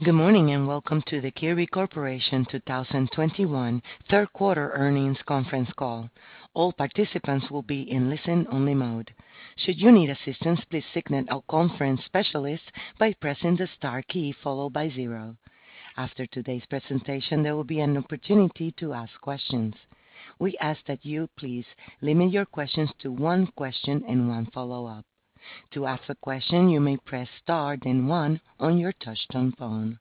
Good morning, and welcome to the Kirby Corporation 2021 third quarter earnings conference call. All participants will be in listen-only mode. Should you need assistance, please signal our conference specialist by pressing the star key followed by zero. After today's presentation, there will be an opportunity to ask questions. We ask that you please limit your questions to one question and one follow-up. To ask a question, you may press star, then one on your touchtone phone.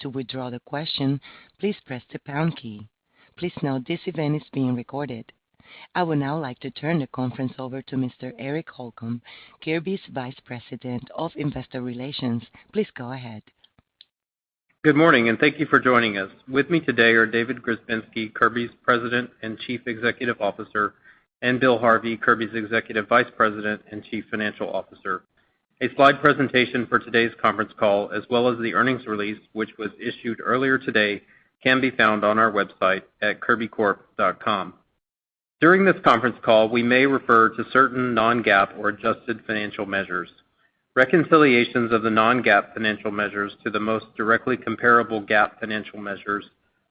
To withdraw the question, please press the pound key. Please note this event is being recorded. I would now like to turn the conference over to Mr. Eric Holcomb, Kirby's Vice President of Investor Relations. Please go ahead. Good morning and thank you for joining us. With me today are David Grzebinski, Kirby's President and Chief Executive Officer, and Bill Harvey, Kirby's Executive Vice President and Chief Financial Officer. A slide presentation for today's conference call, as well as the earnings release, which was issued earlier today, can be found on our website at kirbycorp.com. During this conference call, we may refer to certain non-GAAP or adjusted financial measures. Reconciliations of the non-GAAP financial measures to the most directly comparable GAAP financial measures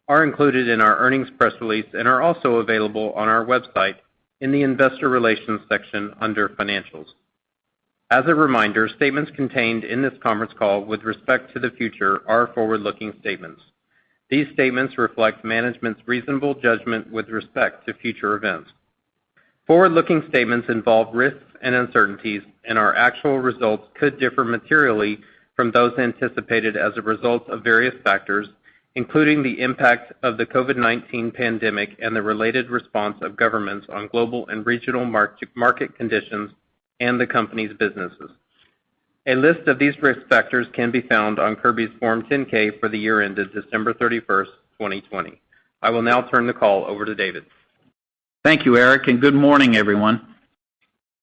are included in our earnings press release and are also available on our website in the Investor Relations section under Financials. As a reminder, statements contained in this conference call with respect to the future are forward-looking statements. These statements reflect management's reasonable judgment with respect to future events. Forward-looking statements involve risks and uncertainties, and our actual results could differ materially from those anticipated as a result of various factors, including the impact of the COVID-19 pandemic and the related response of governments on global and regional market conditions and the company's businesses. A list of these risk factors can be found on Kirby's Form 10-K for the year ended December 31st, 2020. I will now turn the call over to David. Thank you, Eric, and good morning, everyone.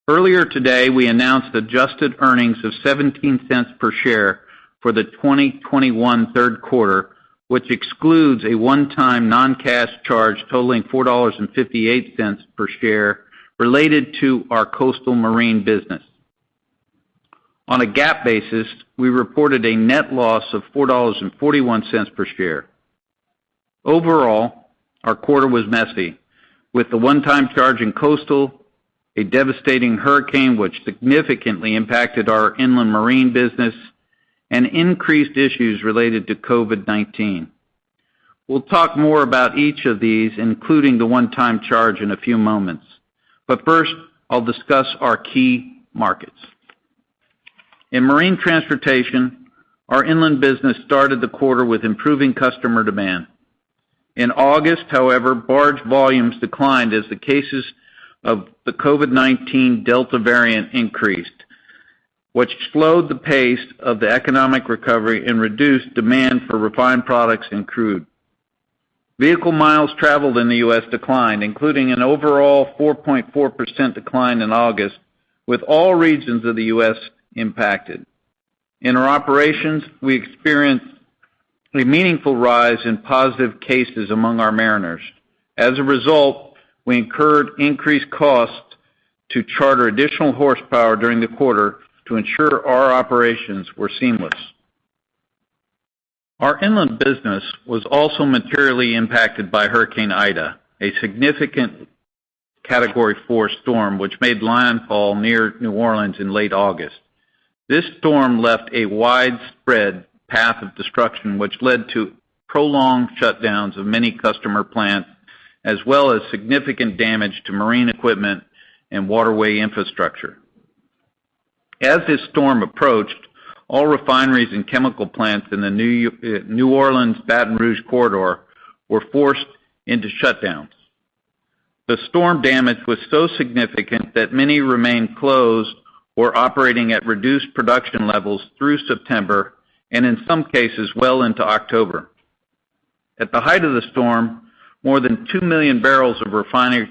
Earlier today, we announced adjusted earnings of $0.17 per share for the 2021 third quarter, which excludes a one-time non-cash charge totaling $4.58 per share related to our coastal marine business. On a GAAP basis, we reported a net loss of $4.41 per share. Overall, our quarter was messy with the one-time charge in coastal, a devastating hurricane which significantly impacted our inland marine business and increased issues related to COVID-19. We'll talk more about each of these, including the one-time charge in a few moments. First, I'll discuss our key markets. In marine transportation, our inland business started the quarter with improving customer demand. In August, however, barge volumes declined as the cases of the COVID-19 Delta variant increased, which slowed the pace of the economic recovery and reduced demand for refined products and crude. Vehicle miles traveled in the U.S. declined, including an overall 4.4% decline in August, with all regions of the U.S. impacted. In our operations, we experienced a meaningful rise in positive cases among our mariners. As a result, we incurred increased costs to charter additional horsepower during the quarter to ensure our operations were seamless. Our inland business was also materially impacted by Hurricane Ida, a significant category four storm which made landfall near New Orleans in late August. This storm left a widespread path of destruction, which led to prolonged shutdowns of many customer plants, as well as significant damage to marine equipment and waterway infrastructure. As this storm approached, all refineries and chemical plants in the New Orleans Baton Rouge corridor were forced into shutdowns. The storm damage was so significant that many remained closed or operating at reduced production levels through September, and in some cases well into October. At the height of the storm, more than two million barrels of refinery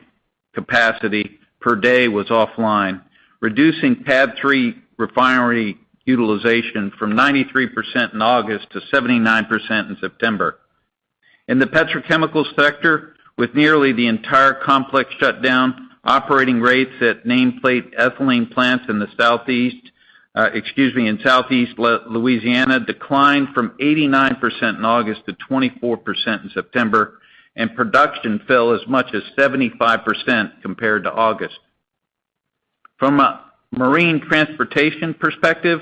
capacity per day was offline, reducing PADD three refinery utilization from 93% in August to 79% in September. In the petrochemical sector, with nearly the entire complex shutdown, operating rates at nameplate ethylene plants in the Southeast Louisiana declined from 89% in August to 24% in September, and production fell as much as 75% compared to August. From a marine transportation perspective,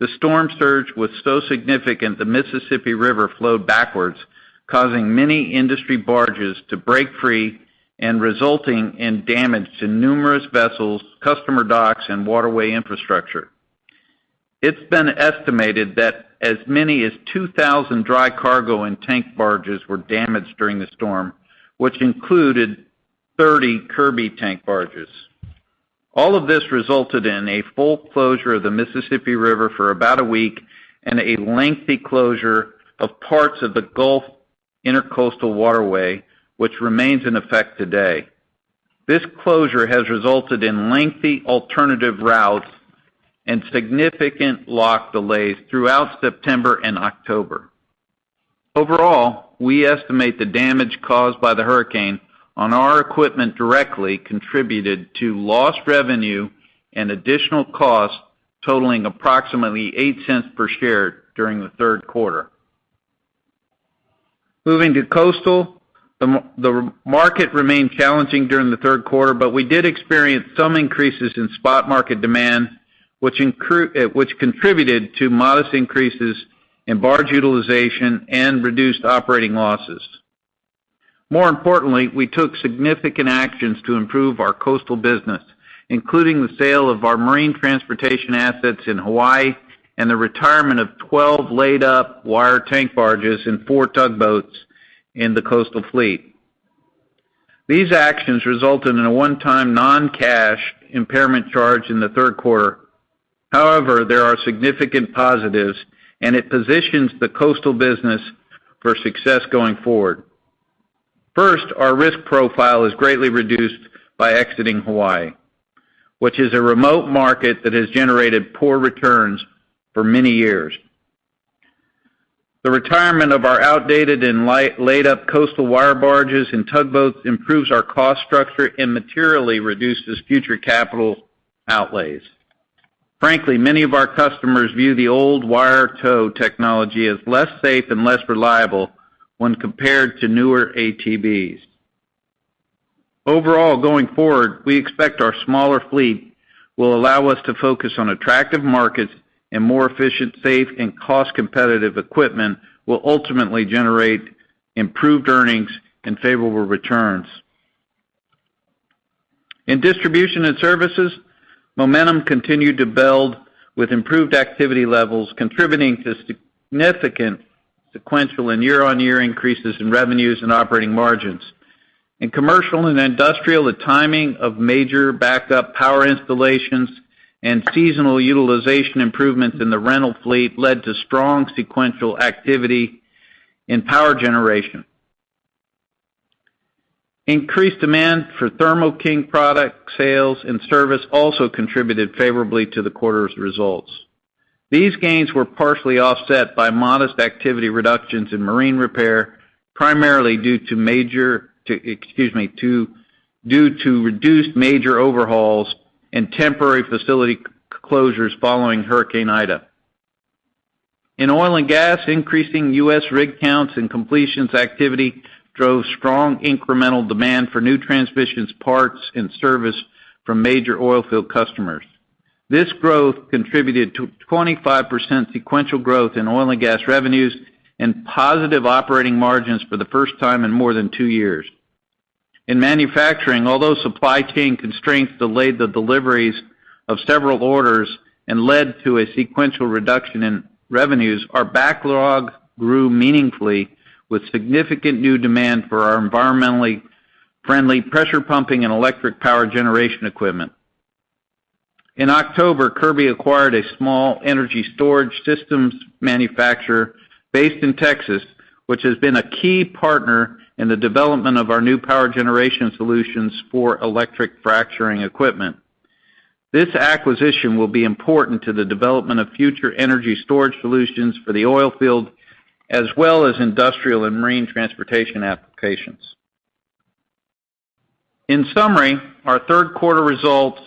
the storm surge was so significant that the Mississippi River flowed backwards, causing many industry barges to break free and resulting in damage to numerous vessels, customer docks, and waterway infrastructure. It's been estimated that as many as 2,000 dry cargo and tank barges were damaged during the storm, which included 30 Kirby tank barges. All of this resulted in a full closure of the Mississippi River for about a week and a lengthy closure of parts of the Gulf Intracoastal Waterway, which remains in effect today. This closure has resulted in lengthy alternative routes and significant lock delays throughout September and October. Overall, we estimate the damage caused by the hurricane on our equipment directly contributed to lost revenue and additional costs totaling approximately $0.08 per share during the third quarter. Moving to coastal, the market remained challenging during the third quarter, but we did experience some increases in spot market demand, which contributed to modest increases in barge utilization and reduced operating losses. More importantly, we took significant actions to improve our coastal business, including the sale of our marine transportation assets in Hawaii and the retirement of 12 laid-up wire tank barges and four tugboats in the coastal fleet. These actions resulted in a one-time noncash impairment charge in the third quarter. However, there are significant positives, and it positions the coastal business for success going forward. First, our risk profile is greatly reduced by exiting Hawaii, which is a remote market that has generated poor returns for many years. The retirement of our outdated and laid-up coastal wire barges and tugboats improves our cost structure and materially reduces future capital outlays. Frankly, many of our customers view the old wire tow technology as less safe and less reliable when compared to newer ATBs. Overall, going forward, we expect our smaller fleet will allow us to focus on attractive markets and more efficient, safe, and cost-competitive equipment will ultimately generate improved earnings and favorable returns. In Distribution and Services, momentum continued to build with improved activity levels contributing to significant sequential and year-on-year increases in revenues and operating margins. In commercial and industrial, the timing of major backup power installations and seasonal utilization improvements in the rental fleet led to strong sequential activity in power generation. Increased demand for Thermo King product sales and service also contributed favorably to the quarter's results. These gains were partially offset by modest activity reductions in marine repair, primarily due to major. Due to reduced major overhauls and temporary facility closures following Hurricane Ida. In oil and gas, increasing U.S. rig counts and completions activity drove strong incremental demand for new transmissions parts and service from major oil field customers. This growth contributed to 25% sequential growth in oil and gas revenues and positive operating margins for the first time in more than two years. In manufacturing, although supply chain constraints delayed the deliveries of several orders and led to a sequential reduction in revenues, our backlog grew meaningfully with significant new demand for our environmentally friendly pressure pumping and electric power generation equipment. In October, Kirby acquired a small energy storage systems manufacturer based in Texas, which has been a key partner in the development of our new power generation solutions for electric fracturing equipment. This acquisition will be important to the development of future energy storage solutions for the oil field, as well as industrial and marine transportation applications. In summary, our third quarter results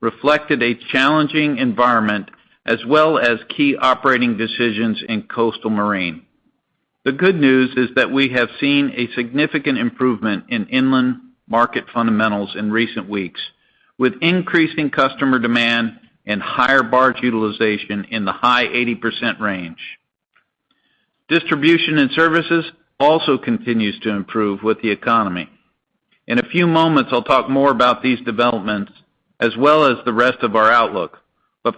reflected a challenging environment as well as key operating decisions in coastal marine. The good news is that we have seen a significant improvement in inland market fundamentals in recent weeks, with increasing customer demand and higher barge utilization in the high 80% range. Distribution and Services also continues to improve with the economy. In a few moments, I'll talk more about these developments as well as the rest of our outlook.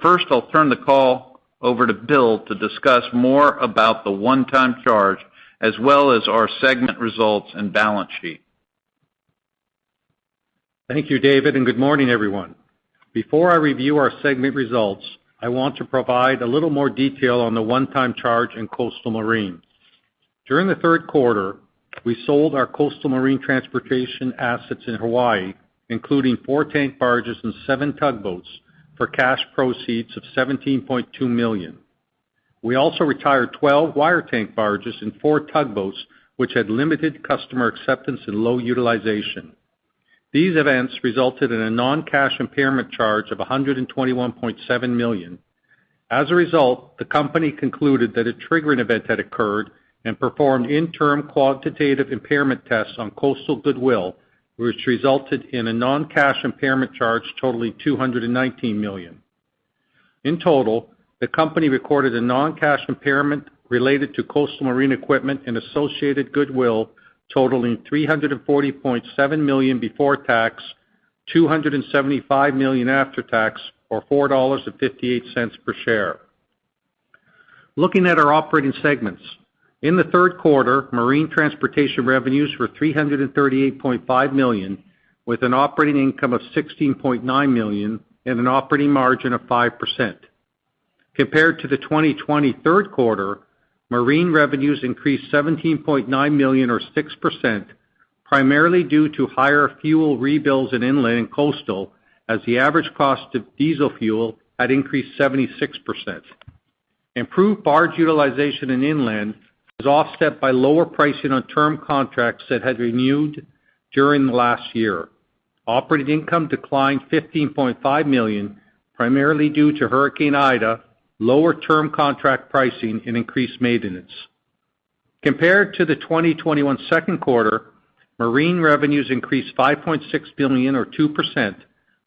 First, I'll turn the call over to Bill to discuss more about the one-time charge as well as our segment results and balance sheet. Thank you, David, and good morning, everyone. Before I review our segment results, I want to provide a little more detail on the one-time charge in coastal marine. During the third quarter, we sold our coastal marine transportation assets in Hawaii, including four tank barges and seven tugboats, for cash proceeds of $17.2 million. We also retired 12 wire tank barges and four tugboats, which had limited customer acceptance and low utilization. These events resulted in a non-cash impairment charge of $121.7 million. As a result, the company concluded that a triggering event had occurred and performed interim quantitative impairment tests on coastal goodwill, which resulted in a non-cash impairment charge totaling $219 million. In total, the company recorded a non-cash impairment related to coastal marine equipment and associated goodwill totaling $340.7 million before tax, $275 million after tax, or $4.58 per share. Looking at our operating segments, in the third quarter, marine transportation revenues were $338.5 million, with an operating income of $16.9 million and an operating margin of 5%. Compared to the 2020 third quarter, marine revenues increased $17.9 million or 6%. Primarily due to higher fuel rebates in inland and coastal as the average cost of diesel fuel had increased 76%. Improved barge utilization in inland was offset by lower pricing on term contracts that had renewed during the last year. Operating income declined $15.5 million, primarily due to Hurricane Ida, lower term contract pricing and increased maintenance. Compared to the 2021 second quarter, marine revenues increased $5.6 million or 2%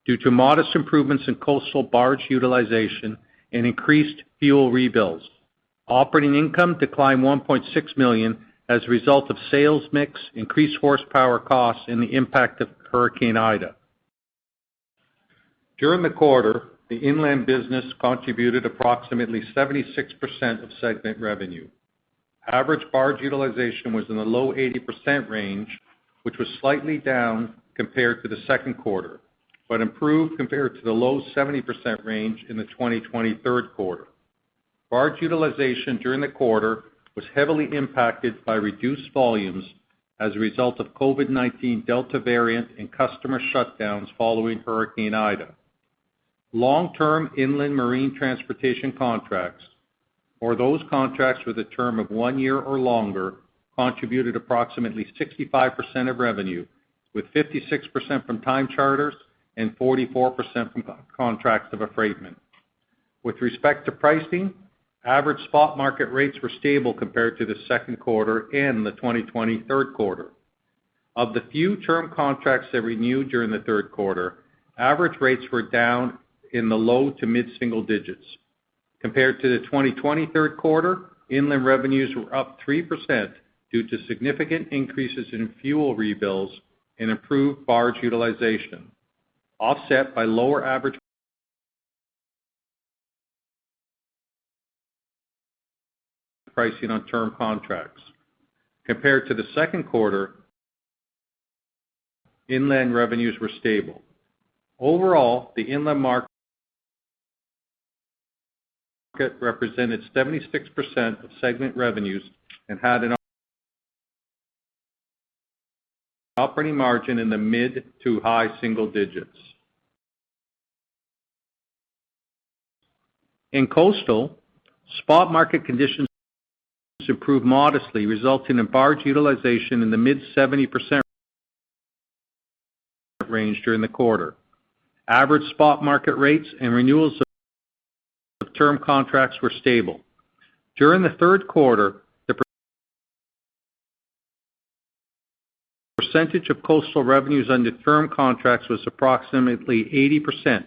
due to modest improvements in coastal barge utilization and increased fuel rebuilds. Operating income declined $1.6 million as a result of sales mix, increased horsepower costs and the impact of Hurricane Ida. During the quarter, the inland business contributed approximately 76% of segment revenue. Average barge utilization was in the low 80% range, which was slightly down compared to the second quarter, but improved compared to the low 70% range in the 2020 third quarter. Barge utilization during the quarter was heavily impacted by reduced volumes as a result of COVID-19 Delta variant and customer shutdowns following Hurricane Ida. Long-term inland marine transportation contracts, or those contracts with a term of one year or longer, contributed approximately 65% of revenue, with 56% from time charters and 44% from contracts of affreightment. With respect to pricing, average spot market rates were stable compared to the second quarter and the 2020 third quarter. Of the few term contracts that renewed during the third quarter, average rates were down in the low to mid-single digits. Compared to the 2020 third quarter, inland revenues were up 3% due to significant increases in fuel rebates and improved barge utilization, offset by lower average pricing on term contracts. Compared to the second quarter, inland revenues were stable. Overall, the inland market represented 76% of segment revenues and had an operating margin in the mid to high single digits. In coastal, spot market conditions improved modestly, resulting in barge utilization in the mid-70% range during the quarter. Average spot market rates and renewals of term contracts were stable. During the third quarter, the percentage of coastal revenues under term contracts was approximately 80%,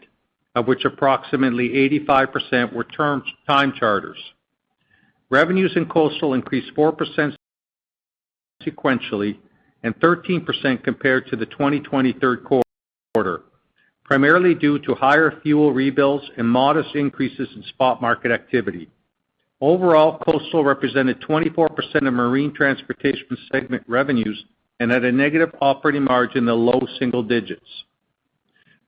of which approximately 85% were term time charters. Revenues in coastal increased 4% sequentially and 13% compared to the 2020 third quarter, primarily due to higher fuel rebates and modest increases in spot market activity. Overall, coastal represented 24% of marine transportation segment revenues and had a negative operating margin in the low single digits.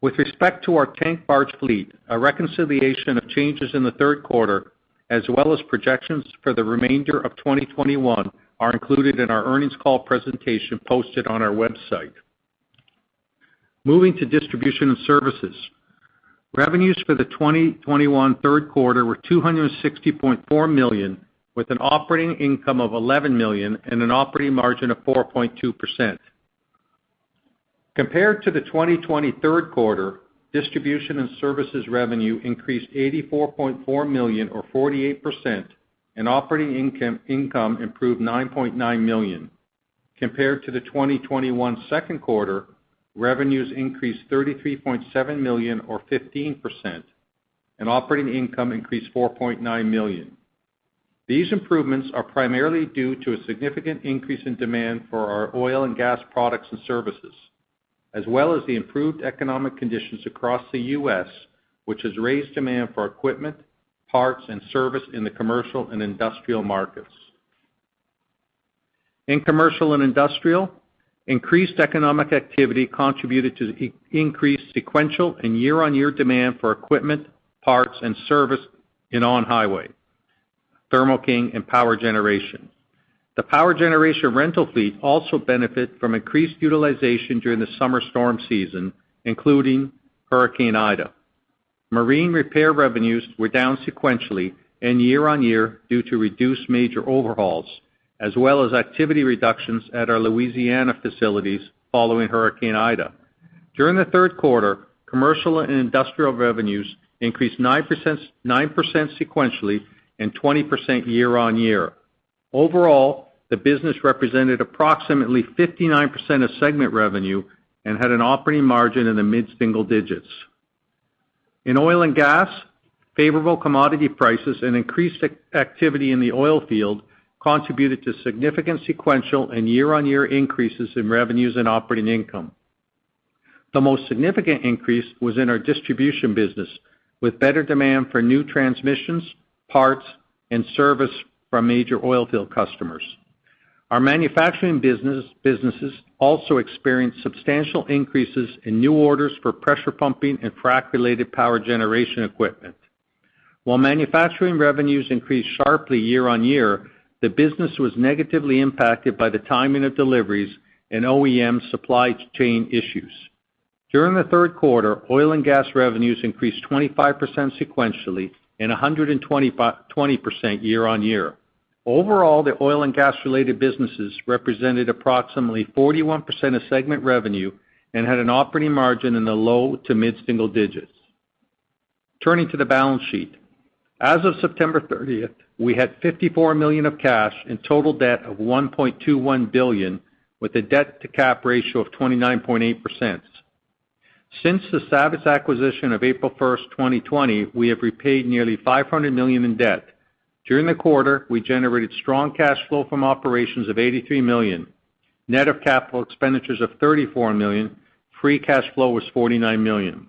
With respect to our tank barge fleet, a reconciliation of changes in the third quarter as well as projections for the remainder of 2021 are included in our earnings call presentation posted on our website. Moving to distribution and services. Revenues for the 2021 third quarter were $260.4 million, with an operating income of $11 million and an operating margin of 4.2%. Compared to the 2020 third quarter, distribution and services revenue increased $84.4 million or 48%, and operating income improved $9.9 million. Compared to the 2021 second quarter, revenues increased $33.7 million or 15%, and operating income increased $4.9 million. These improvements are primarily due to a significant increase in demand for our oil and gas products and services, as well as the improved economic conditions across the U.S., which has raised demand for equipment, parts, and service in the commercial and industrial markets. In commercial and industrial, increased economic activity contributed to the increased sequential and year-on-year demand for equipment, parts, and service in on-highway, Thermo King and power generation. The power generation rental fleet also benefit from increased utilization during the summer storm season, including Hurricane Ida. Marine repair revenues were down sequentially and year-on-year due to reduced major overhauls, as well as activity reductions at our Louisiana facilities following Hurricane Ida. During the third quarter, commercial and industrial revenues increased 9%, 9% sequentially and 20% year-on-year. Overall, the business represented approximately 59% of segment revenue and had an operating margin in the mid-single digits. In oil and gas, favorable commodity prices and increased activity in the oil field contributed to significant sequential and year-on-year increases in revenues and operating income. The most significant increase was in our distribution business, with better demand for new transmissions, parts, and service from major oil field customers. Our manufacturing businesses also experienced substantial increases in new orders for pressure pumping and frac-related power generation equipment. While manufacturing revenues increased sharply year-on-year, the business was negatively impacted by the timing of deliveries and OEM supply chain issues. During the third quarter, oil and gas revenues increased 25% sequentially and 120% year-on-year. Overall, the oil and gas-related businesses represented approximately 41% of segment revenue and had an operating margin in the low to mid-single digits. Turning to the balance sheet. As of September 30th, we had $54 million of cash and total debt of $1.21 billion, with a debt-to-cap ratio of 29.8%. Since the Savage acquisition of April 1st, 2020, we have repaid nearly $500 million in debt. During the quarter, we generated strong cash flow from operations of $83 million, net of capital expenditures of $34 million. Free cash flow was $49 million.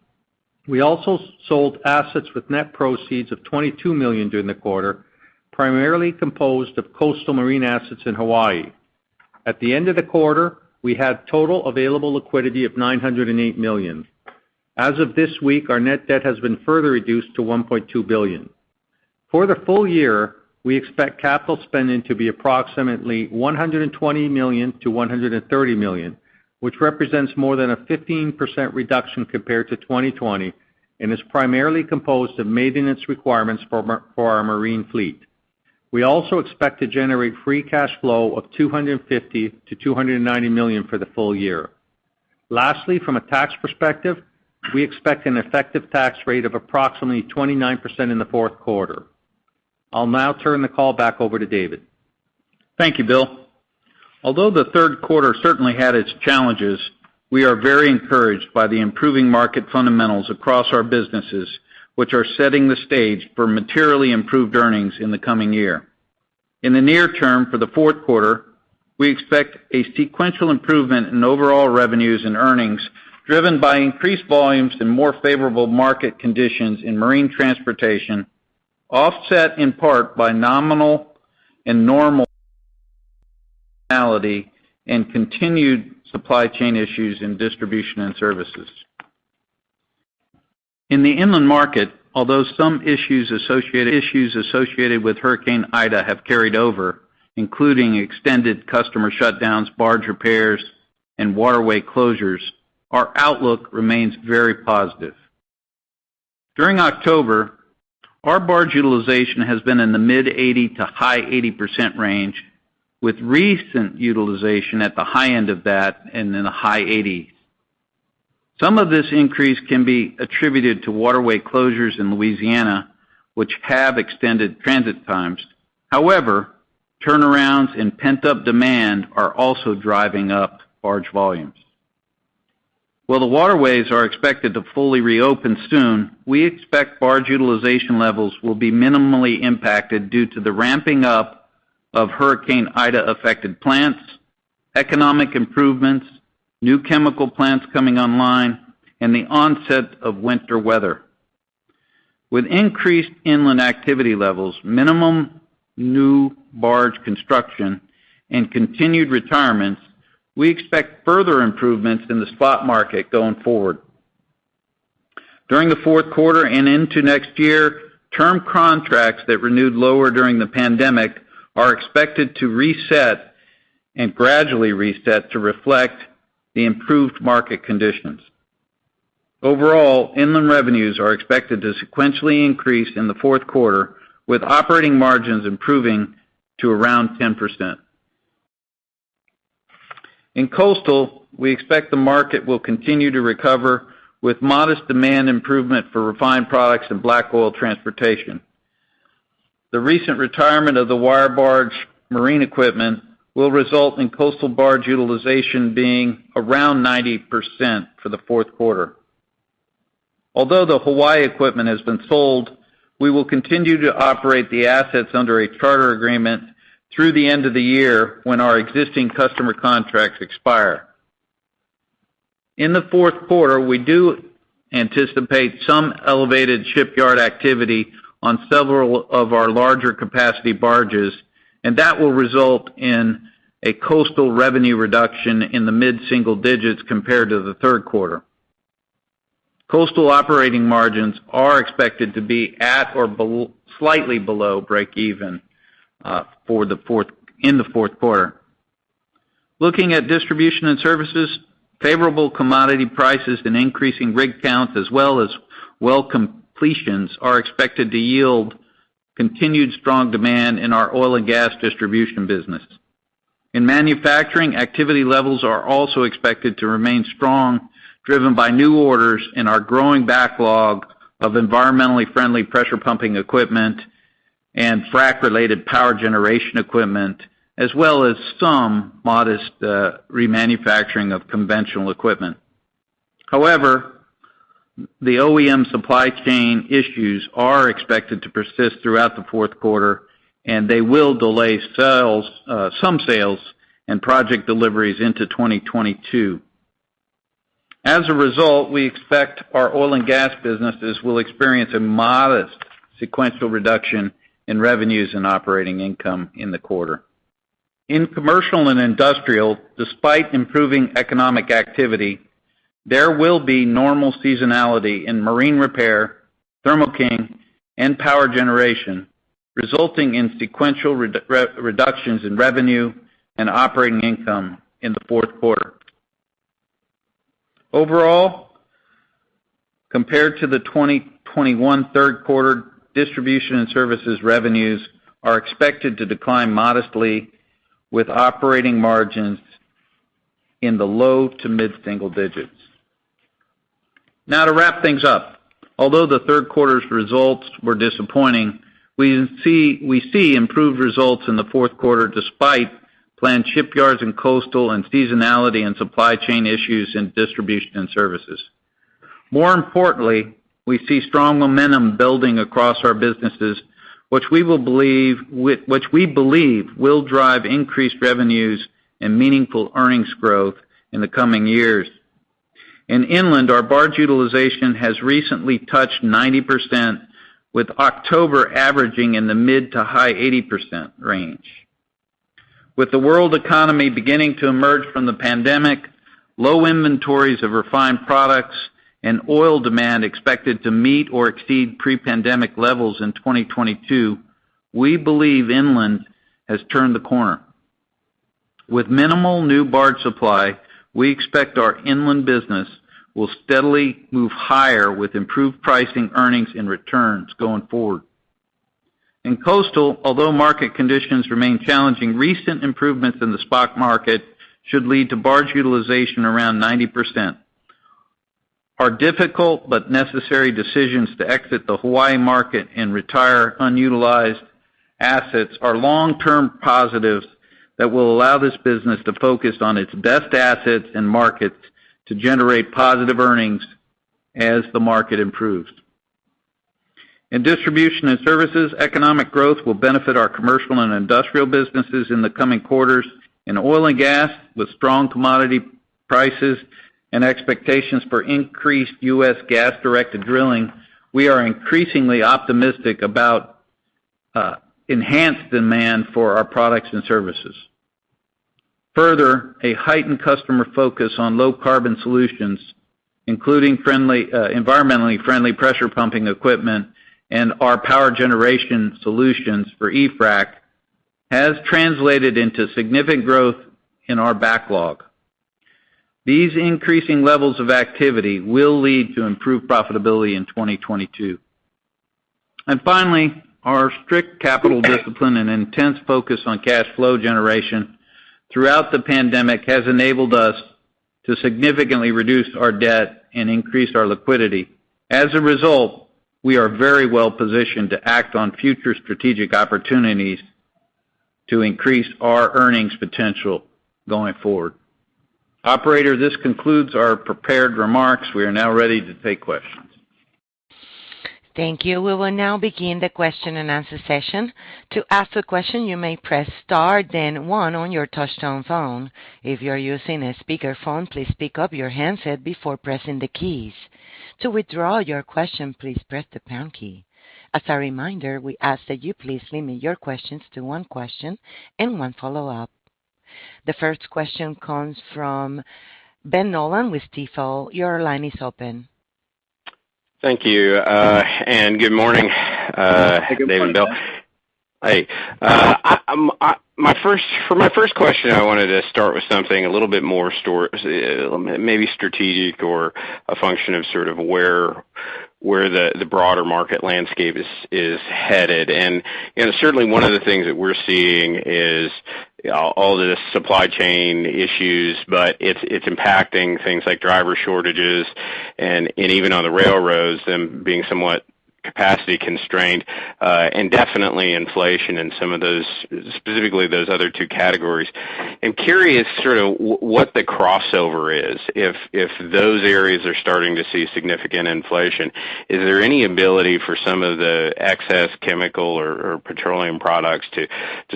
We also sold assets with net proceeds of $22 million during the quarter, primarily composed of coastal marine assets in Hawaii. At the end of the quarter, we had total available liquidity of $908 million. As of this week, our net debt has been further reduced to $1.2 billion. For the full year, we expect capital spending to be approximately $120 million-$130 million, which represents more than a 15% reduction compared to 2020 and is primarily composed of maintenance requirements for our marine fleet. We also expect to generate free cash flow of $250 million-$290 million for the full year. Lastly, from a tax perspective, we expect an effective tax rate of approximately 29% in the fourth quarter. I'll now turn the call back over to David. Thank you, Bill. Although the third quarter certainly had its challenges, we are very encouraged by the improving market fundamentals across our businesses, which are setting the stage for materially improved earnings in the coming year. In the near term, for the fourth quarter, we expect a sequential improvement in overall revenues and earnings, driven by increased volumes and more favorable market conditions in marine transportation, offset in part by nominal and normal seasonality and continued supply chain issues in distribution and services. In the inland market, although some issues associated with Hurricane Ida have carried over, including extended customer shutdowns, barge repairs, and waterway closures, our outlook remains very positive. During October, our barge utilization has been in the mid-80 to high 80% range, with recent utilization at the high end of that and in the high 80s. Some of this increase can be attributed to waterway closures in Louisiana which have extended transit times. However, turnarounds and pent-up demand are also driving up barge volumes. While the waterways are expected to fully reopen soon, we expect barge utilization levels will be minimally impacted due to the ramping up of Hurricane Ida-affected plants, economic improvements, new chemical plants coming online, and the onset of winter weather. With increased inland activity levels, minimum new barge construction, and continued retirements, we expect further improvements in the spot market going forward. During the fourth quarter and into next year, term contracts that renewed lower during the pandemic are expected to reset, and gradually reset to reflect the improved market conditions. Overall, inland revenues are expected to sequentially increase in the fourth quarter, with operating margins improving to around 10%. In coastal, we expect the market will continue to recover, with modest demand improvement for refined products and black oil transportation. The recent retirement of the older barge marine equipment will result in coastal barge utilization being around 90% for the fourth quarter. Although the Hawaii equipment has been sold, we will continue to operate the assets under a charter agreement through the end of the year when our existing customer contracts expire. In the fourth quarter, we do anticipate some elevated shipyard activity on several of our larger capacity barges, and that will result in a coastal revenue reduction in the mid-single digits% compared to the third quarter. Coastal operating margins are expected to be at or slightly below break even in the fourth quarter. Looking at Distribution and Services, favorable commodity prices and increasing rig counts as well as well completions are expected to yield continued strong demand in our oil and gas distribution business. In manufacturing, activity levels are also expected to remain strong, driven by new orders in our growing backlog of environmentally friendly pressure pumping equipment and frack-related power generation equipment, as well as some modest remanufacturing of conventional equipment. However, the OEM supply chain issues are expected to persist throughout the fourth quarter, and they will delay some sales and project deliveries into 2022. As a result, we expect our oil and gas businesses will experience a modest sequential reduction in revenues and operating income in the quarter. In commercial and industrial, despite improving economic activity, there will be normal seasonality in marine repair, Thermo King, and power generation, resulting in sequential reductions in revenue and operating income in the fourth quarter. Overall, compared to the 2021 third quarter, distribution and services revenues are expected to decline modestly with operating margins in the low- to mid-single digits. Now to wrap things up, although the third quarter's results were disappointing, we see improved results in the fourth quarter despite planned shipyards in coastal and seasonality and supply chain issues in distribution and services. More importantly, we see strong momentum building across our businesses, which we believe will drive increased revenues and meaningful earnings growth in the coming years. In inland, our barge utilization has recently touched 90%, with October averaging in the mid- to high-80% range. With the world economy beginning to emerge from the pandemic, low inventories of refined products and oil demand expected to meet or exceed pre-pandemic levels in 2022, we believe inland has turned the corner. With minimal new barge supply, we expect our inland business will steadily move higher with improved pricing, earnings, and returns going forward. In coastal, although market conditions remain challenging, recent improvements in the spot market should lead to barge utilization around 90%. Our difficult but necessary decisions to exit the Hawaii market and retire unutilized assets are long-term positives that will allow this business to focus on its best assets and markets to generate positive earnings as the market improves. In Distribution & Services, economic growth will benefit our commercial and industrial businesses in the coming quarters. In oil and gas, with strong commodity prices and expectations for increased U.S. gas-directed drilling, we are increasingly optimistic about enhanced demand for our products and services. Further, a heightened customer focus on low carbon solutions, including environmentally friendly pressure pumping equipment and our power generation solutions for e-frac, has translated into significant growth in our backlog. These increasing levels of activity will lead to improved profitability in 2022. Finally, our strict capital discipline and intense focus on cash flow generation throughout the pandemic has enabled us to significantly reduce our debt and increase our liquidity. As a result, we are very well positioned to act on future strategic opportunities to increase our earnings potential going forward. Operator, this concludes our prepared remarks. We are now ready to take questions. Thank you. We will now begin the question-and-answer session. To ask a question, you may press star then one on your touch tone phone. If you're using a speaker phone, please pick up your handset before pressing the keys. To withdraw your question, please press the pound key. As a reminder, we ask that you please limit your questions to one question and one follow-up. The first question comes from Ben Nolan with Stifel. Your line is open. Thank you, and good morning. Good morning. David and Bill. Hey. For my first question, I wanted to start with something a little bit more maybe strategic or a function of sort of where the broader market landscape is headed. You know, certainly one of the things that we're seeing is all the supply chain issues, but it's impacting things like driver shortages and even on the railroads and being somewhat capacity constrained, and definitely inflation in some of those, specifically those other two categories. I'm curious sort of what the crossover is. If those areas are starting to see significant inflation, is there any ability for some of the excess chemical or petroleum products to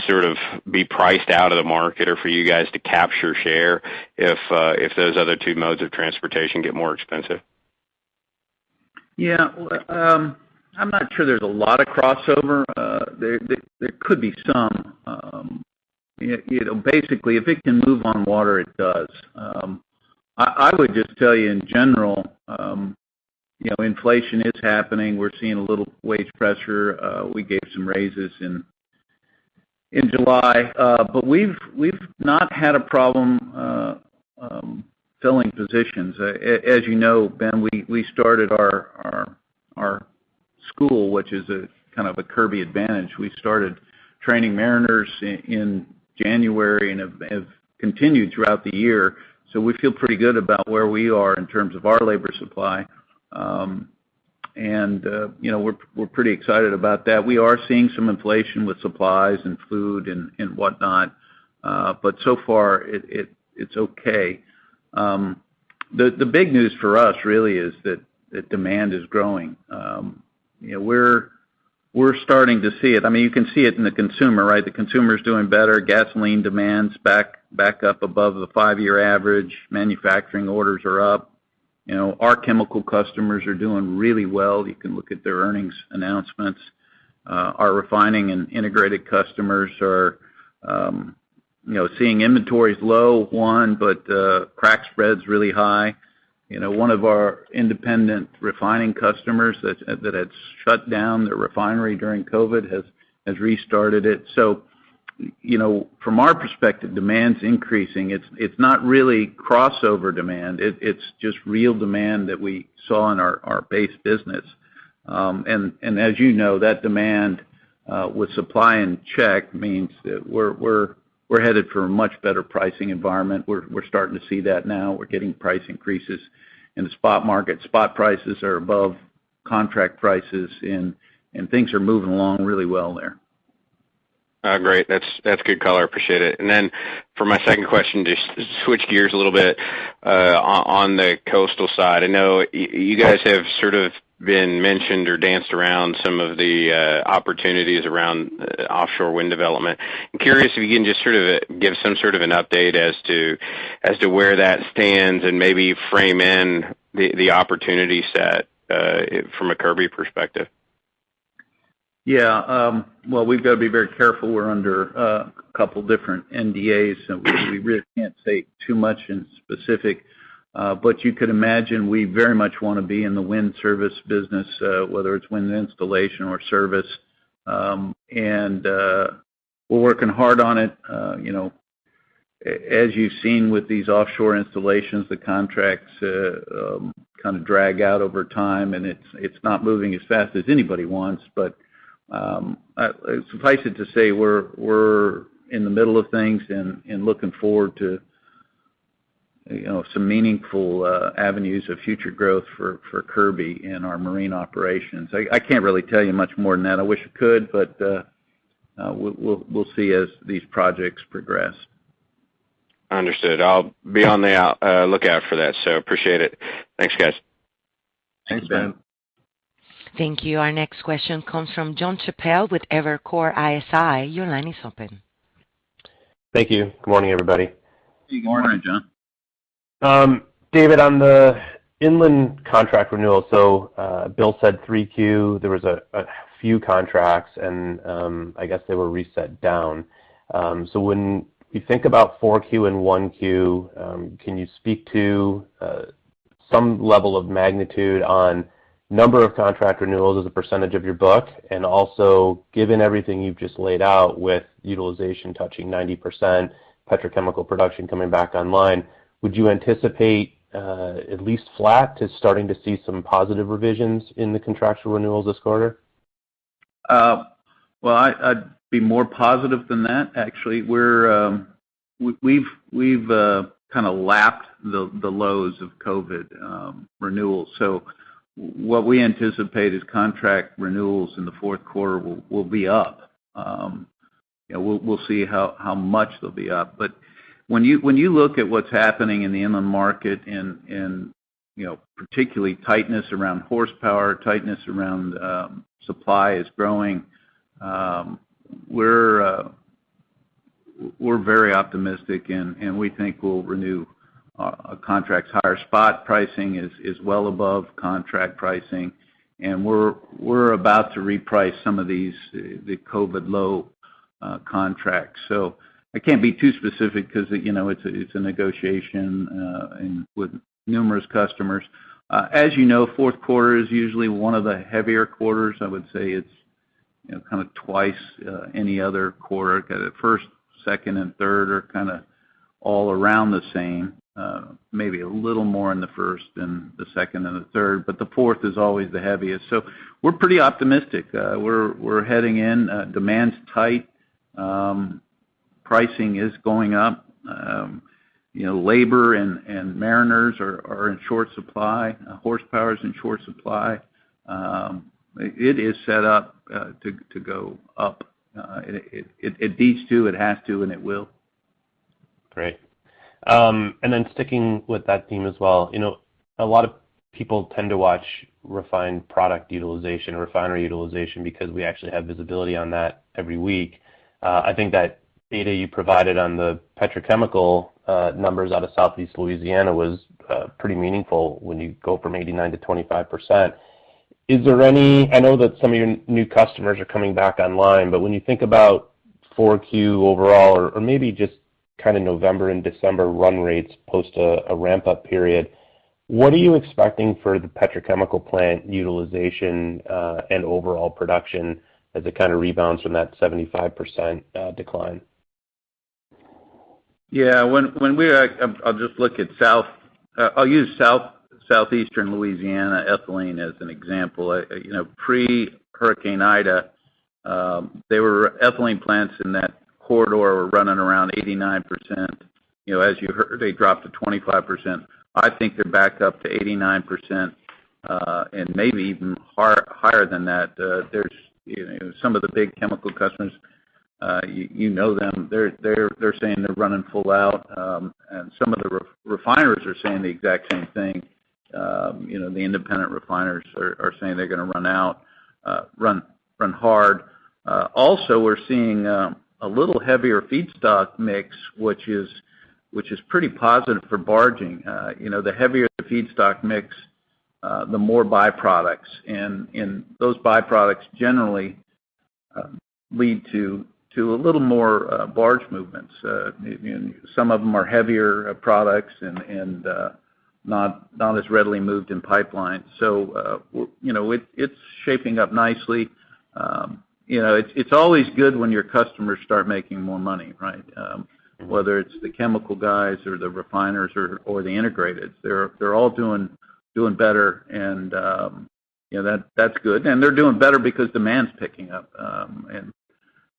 sort of be priced out of the market or for you guys to capture share if those other two modes of transportation get more expensive? Yeah. I'm not sure there's a lot of crossover. There could be some, you know, basically, if it can move on water, it does. I would just tell you in general, you know, inflation is happening. We're seeing a little wage pressure. We gave some raises in July. But we've not had a problem filling positions. As you know, Ben, we started our school, which is a kind of a Kirby advantage. We started training mariners in January and have continued throughout the year, so we feel pretty good about where we are in terms of our labor supply. You know, we're pretty excited about that. We are seeing some inflation with supplies and food and whatnot, but so far it's okay. The big news for us really is that the demand is growing. You know, we're starting to see it. I mean, you can see it in the consumer, right? The consumer is doing better. Gasoline demand's back up above the five-year average. Manufacturing orders are up. You know, our chemical customers are doing really well. You can look at their earnings announcements. Our refining and integrated customers are, you know, seeing inventories low, but crack spread's really high. You know, one of our independent refining customers that had shut down their refinery during COVID has restarted it. You know, from our perspective, demand's increasing. It's not really crossover demand, it's just real demand that we saw in our base business. As you know, that demand with supply in check means that we're headed for a much better pricing environment. We're starting to see that now. We're getting price increases in the spot market. Spot prices are above contract prices, and things are moving along really well there. Great. That's good color. Appreciate it. Then for my second question, just switch gears a little bit, on the coastal side. I know you guys have sort of been mentioned or danced around some of the opportunities around offshore wind development. I'm curious if you can just sort of give some sort of an update as to where that stands and maybe frame in the opportunity set, from a Kirby perspective. Yeah, well, we've got to be very careful. We're under a couple different NDAs, so we really can't say too much in specific. You could imagine we very much wanna be in the wind service business, whether it's wind installation or service. We're working hard on it. You know, as you've seen with these offshore installations, the contracts kind of drag out over time, and it's not moving as fast as anybody wants. Suffice it to say, we're in the middle of things and looking forward to, you know, some meaningful avenues of future growth for Kirby in our marine operations. I can't really tell you much more than that. I wish I could, but we'll see as these projects progress. Understood. I'll be on the lookout for that, so appreciate it. Thanks, guys. Thanks, Ben. Thank you. Our next question comes from Jon Chappell with Evercore ISI. Your line is open. Thank you. Good morning, everybody. Good morning, Jon. David, on the inland contract renewal, so, Bill said 3Q, there was a few contracts and, I guess they were reset down. When you think about 4Q and 1Q, can you speak to some level of magnitude on number of contract renewals as a percentage of your book? And also, given everything you've just laid out with utilization touching 90%, petrochemical production coming back online, would you anticipate at least flat to starting to see some positive revisions in the contractual renewals this quarter? Well, I'd be more positive than that actually. We've kind of lapped the lows of COVID renewals. What we anticipate is contract renewals in the fourth quarter will be up. We'll see how much they'll be up. When you look at what's happening in the inland market and, you know, particularly tightness around horsepower, tightness around supply is growing, we're very optimistic and we think we'll renew contracts. Higher spot pricing is well above contract pricing, and we're about to reprice some of these the COVID-low contracts. I can't be too specific because, you know, it's a negotiation with numerous customers. As you know, fourth quarter is usually one of the heavier quarters. I would say it's, you know, kind of twice any other quarter. First, second and third are kind of all around the same. Maybe a little more in the first than the second and the third, but the fourth is always the heaviest. We're pretty optimistic. We're heading in, demands tight. Pricing is going up. You know, labor and mariners are in short supply. Horsepower is in short supply. It is set up to go up. It needs to, it has to, and it will. Great. Sticking with that theme as well. You know, a lot of people tend to watch refined product utilization, refinery utilization because we actually have visibility on that every week. I think that data you provided on the petrochemical numbers out of Southeast Louisiana was pretty meaningful when you go from 89%-25%. I know that some of your new customers are coming back online, but when you think about 4Q overall or maybe just kind of November and December run rates post a ramp up period, what are you expecting for the petrochemical plant utilization and overall production as it kind of rebounds from that 75% decline? Yeah. When we are, I'll just look at South. I'll use southeastern Louisiana ethylene as an example. You know, pre-Hurricane Ida, there were ethylene plants in that corridor were running around 89%. You know, as you heard, they dropped to 25%. I think they're back up to 89%, and maybe even higher than that. There's, you know, some of the big chemical customers, you know them. They're saying they're running full out. Some of the refiners are saying the exact same thing. You know, the independent refiners are saying they're gonna run hard. Also, we're seeing a little heavier feedstock mix, which is pretty positive for barging. You know, the heavier the feedstock mix, the more byproducts. Those byproducts generally lead to a little more barge movements. You know, some of them are heavier products and not as readily moved in pipelines. You know, it's shaping up nicely. You know, it's always good when your customers start making more money, right? Whether it's the chemical guys or the refiners or the integrateds, they're all doing better and you know, that's good. They're doing better because demand's picking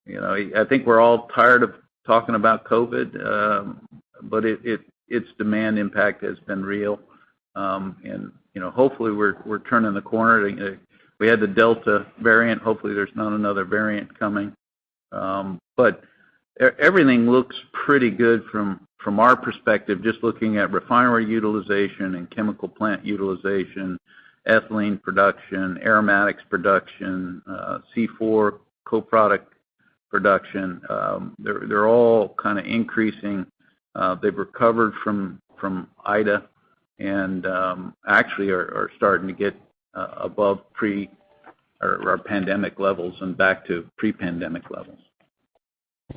up. You know, I think we're all tired of talking about COVID, but its demand impact has been real. You know, hopefully we're turning the corner. We had the Delta variant. Hopefully, there's not another variant coming. Everything looks pretty good from our perspective, just looking at refinery utilization and chemical plant utilization, ethylene production, aromatics production, C4 co-product production. They're all kind of increasing. They've recovered from Ida and actually are starting to get above pre or pandemic levels and back to pre-pandemic levels.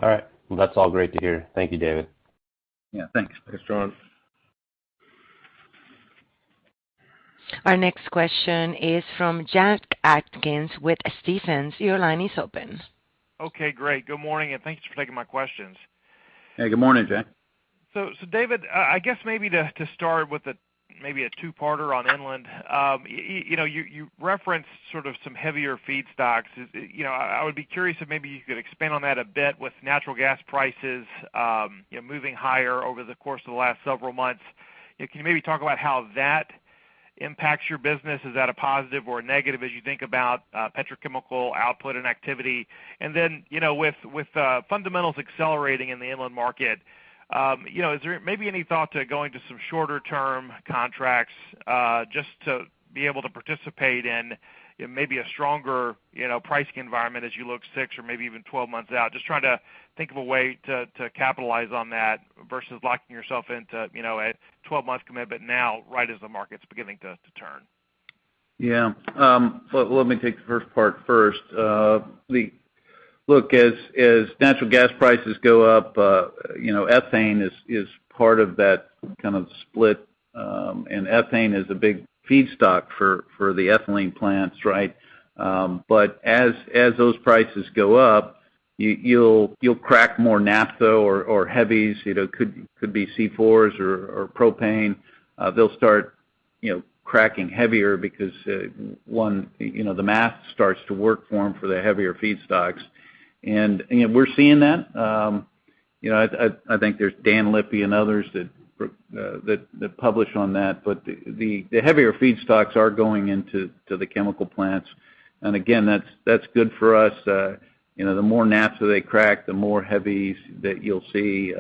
All right. Well, that's all great to hear. Thank you, David. Yeah, thanks. Thanks, Jon. Our next question is from Jack Atkins with Stephens. Your line is open. Okay, great. Good morning, and thanks for taking my questions. Hey, good morning, Jack. David, I guess maybe to start with maybe a two-parter on inland. You know, you referenced sort of some heavier feedstocks. You know, I would be curious if maybe you could expand on that a bit with natural gas prices, you know, moving higher over the course of the last several months. Can you maybe talk about how that impacts your business? Is that a positive or a negative as you think about petrochemical output and activity? And then, you know, with fundamentals accelerating in the inland market, you know, is there maybe any thought to going to some shorter-term contracts, just to be able to participate in maybe a stronger, you know, pricing environment as you look six or maybe even 12 months out? Just trying to think of a way to capitalize on that versus locking yourself into, you know, a 12-month commitment now, right as the market's beginning to turn. Yeah. Let me take the first part first. Look, as natural gas prices go up, you know, ethane is part of that kind of split, and ethane is a big feedstock for the ethylene plants, right? As those prices go up, you'll crack more naphtha or heavies, you know, could be C4s or propane. They'll start cracking heavier because one, you know, the math starts to work for them for the heavier feedstocks. You know, we're seeing that. You know, I think there's Dan Lippe and others that publish on that. The heavier feedstocks are going into the chemical plants. Again, that's good for us. You know, the more naphtha they crack, the more heavies that you'll see.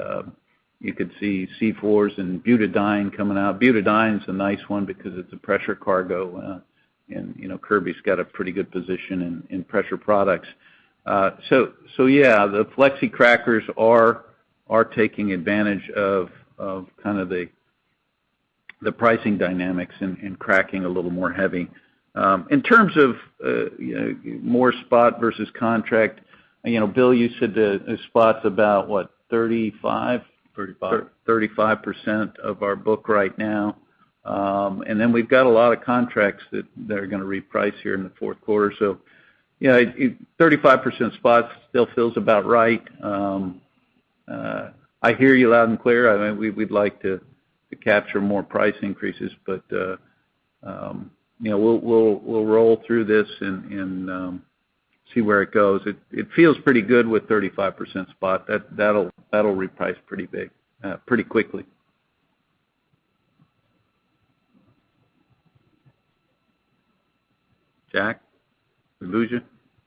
You could see C4s and butadiene coming out. Butadiene is a nice one because it's a pressure cargo, and you know, Kirby's got a pretty good position in pressure products. So, yeah, the flexicrackers are taking advantage of kind of the pricing dynamics and cracking a little more heavy. In terms of you know, more spot versus contract, you know, Bill, you said the spots about what, 35%? 35. 35% of our book right now. Then we've got a lot of contracts that are gonna reprice here in the fourth quarter. You know, 35% spot still feels about right. I hear you loud and clear. I mean, we'd like to capture more price increases, but you know, we'll roll through this and see where it goes. It feels pretty good with 35% spot. That'll reprice pretty big, pretty quickly. Jack, did we lose you?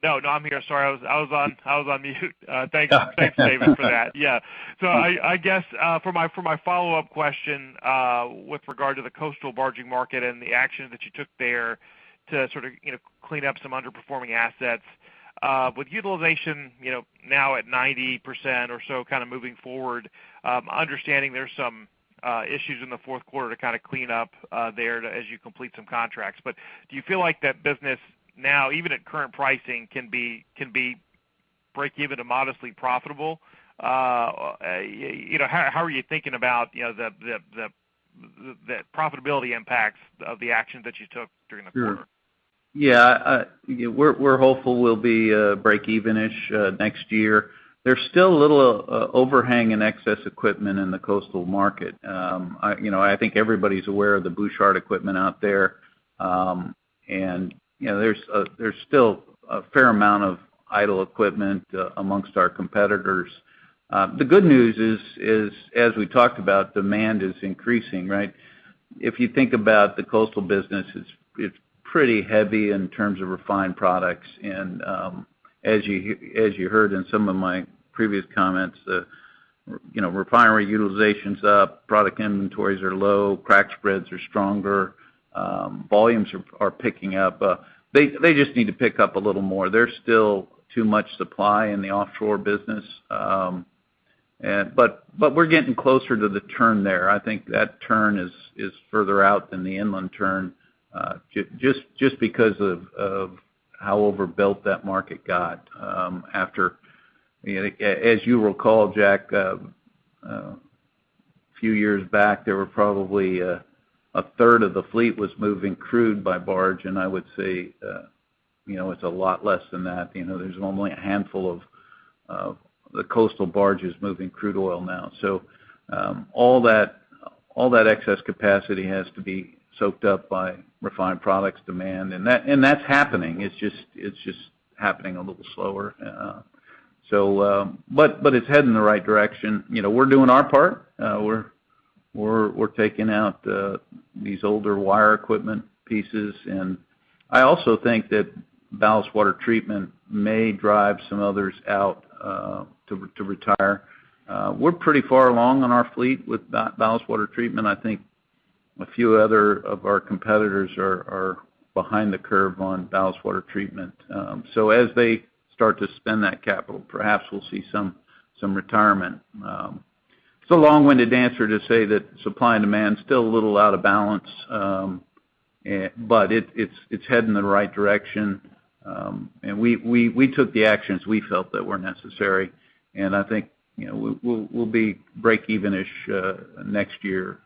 No, no, I'm here. Sorry, I was on mute. Thanks. Thanks, David, for that. Yeah. I guess for my follow-up question, with regard to the coastal barging market and the action that you took there to sort of, you know, clean up some underperforming assets, with utilization, you know, now at 90% or so kind of moving forward, understanding there's some issues in the fourth quarter to kind of clean up there as you complete some contracts. But do you feel like that business now, even at current pricing, can be breakeven to modestly profitable? You know, how are you thinking about, you know, the profitability impacts of the actions that you took during the quarter? Sure. Yeah. We're hopeful we'll be breakeven-ish next year. There's still a little overhang and excess equipment in the coastal market. You know, I think everybody's aware of the Bouchard equipment out there. You know, there's still a fair amount of idle equipment amongst our competitors. The good news is, as we talked about, demand is increasing, right? If you think about the coastal business, it's pretty heavy in terms of refined products. As you heard in some of my previous comments, refinery utilization's up, product inventories are low, crack spreads are stronger, volumes are picking up. They just need to pick up a little more. There's still too much supply in the offshore business, but we're getting closer to the turn there. I think that turn is further out than the inland turn, just because of how overbuilt that market got. As you recall, Jack, a few years back, there were probably a third of the fleet was moving crude by barge, and I would say, you know, it's a lot less than that. You know, there's only a handful of the coastal barges moving crude oil now. All that excess capacity has to be soaked up by refined products demand, and that's happening. It's just happening a little slower. It's heading in the right direction. You know, we're doing our part. We're taking out these older wire equipment pieces. I also think that ballast water treatment may drive some others out to retire. We're pretty far along on our fleet with that ballast water treatment. I think a few other of our competitors are behind the curve on ballast water treatment. As they start to spend that capital, perhaps we'll see some retirement. It's a long-winded answer to say that supply and demand is still a little out of balance, but it's heading in the right direction. We took the actions we felt that were necessary, and I think, you know, we'll be breakeven-ish next year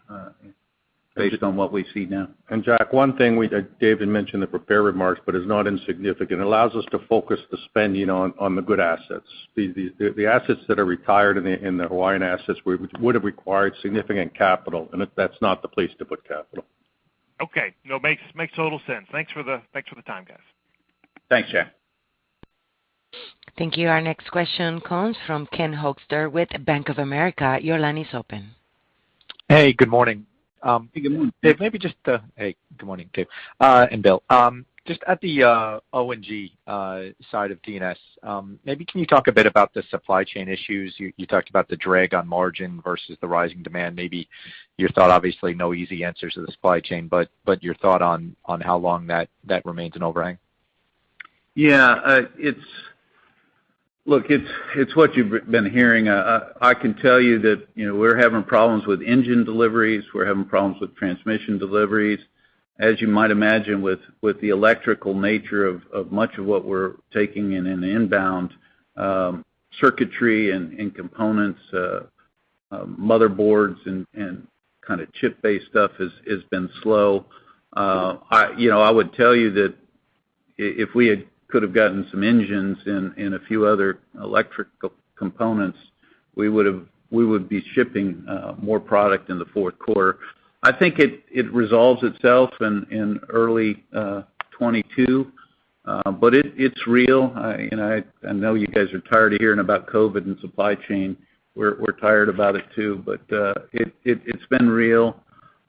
based on what we see now. Jack, one thing that David mentioned in the prepared remarks, but is not insignificant. It allows us to focus the spending on the good assets. The assets that are retired in the Hawaiian assets would have required significant capital, and that's not the place to put capital. Okay. No, makes total sense. Thanks for the time, guys. Thanks, Jack. Thank you. Our next question comes from Ken Hoexter with Bank of America. Your line is open. Hey, good morning, David, and Bill. Just at the O&G side of D&S, maybe can you talk a bit about the supply chain issues? You talked about the drag on margin versus the rising demand. Maybe your thought, obviously, no easy answers to the supply chain, but your thought on how long that remains an overhang. It's what you've been hearing. I can tell you that, you know, we're having problems with engine deliveries. We're having problems with transmission deliveries. As you might imagine, with the electrical nature of much of what we're taking in the inbound circuitry and components, motherboards and kind of chip-based stuff has been slow. You know, I would tell you that if we could have gotten some engines and a few other electrical components, we would be shipping more product in the fourth quarter. I think it resolves itself in early 2022. It's real. I know you guys are tired of hearing about COVID and supply chain. We're tired of it, too, but it's been real.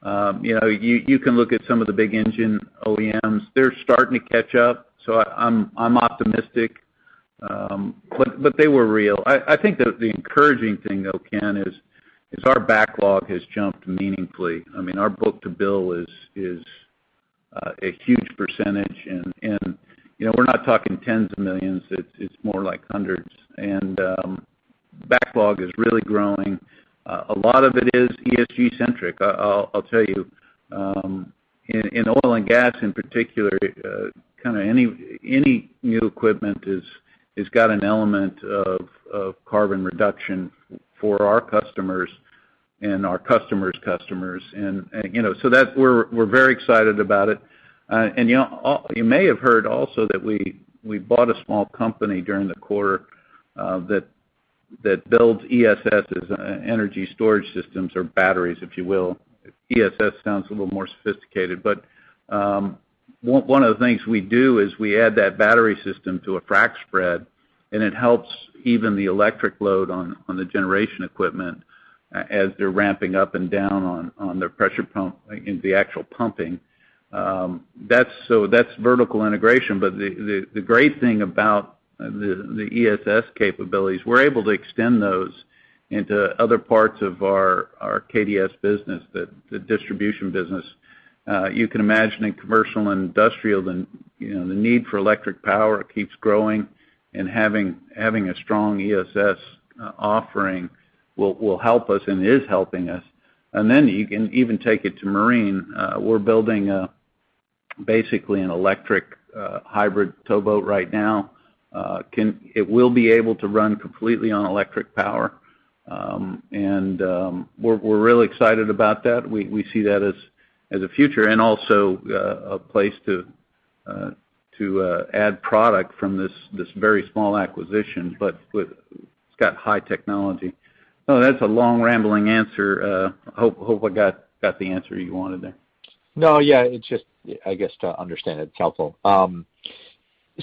You know, you can look at some of the big engine OEMs. They're starting to catch up, so I'm optimistic. They were real. I think that the encouraging thing, though, Ken, is our backlog has jumped meaningfully. I mean, our book-to-bill is a huge percentage and, you know, we're not talking tens of millions. It's more like hundreds. Backlog is really growing. A lot of it is ESG centric. I'll tell you, in oil and gas, in particular, kind of any new equipment is got an element of carbon reduction for our customers and our customers' customers. You know, so that we're very excited about it. You know, you may have heard also that we bought a small company during the quarter that builds ESSs, energy storage systems or batteries, if you will. ESS sounds a little more sophisticated. One of the things we do is we add that battery system to a frac spread, and it helps even the electric load on the generation equipment as they're ramping up and down on their pressure pump in the actual pumping. That's vertical integration. The great thing about the ESS capabilities, we're able to extend those into other parts of our KDS business, the distribution business. You can imagine in commercial and industrial, you know, the need for electric power keeps growing and having a strong ESS offering will help us and is helping us. Then you can even take it to marine. We're building basically an electric hybrid towboat right now. It will be able to run completely on electric power. We're really excited about that. We see that as a future and also a place to add product from this very small acquisition, but it's got high technology. That's a long, rambling answer. I hope I got the answer you wanted there. No, yeah. It's just, I guess, to understand it. It's helpful.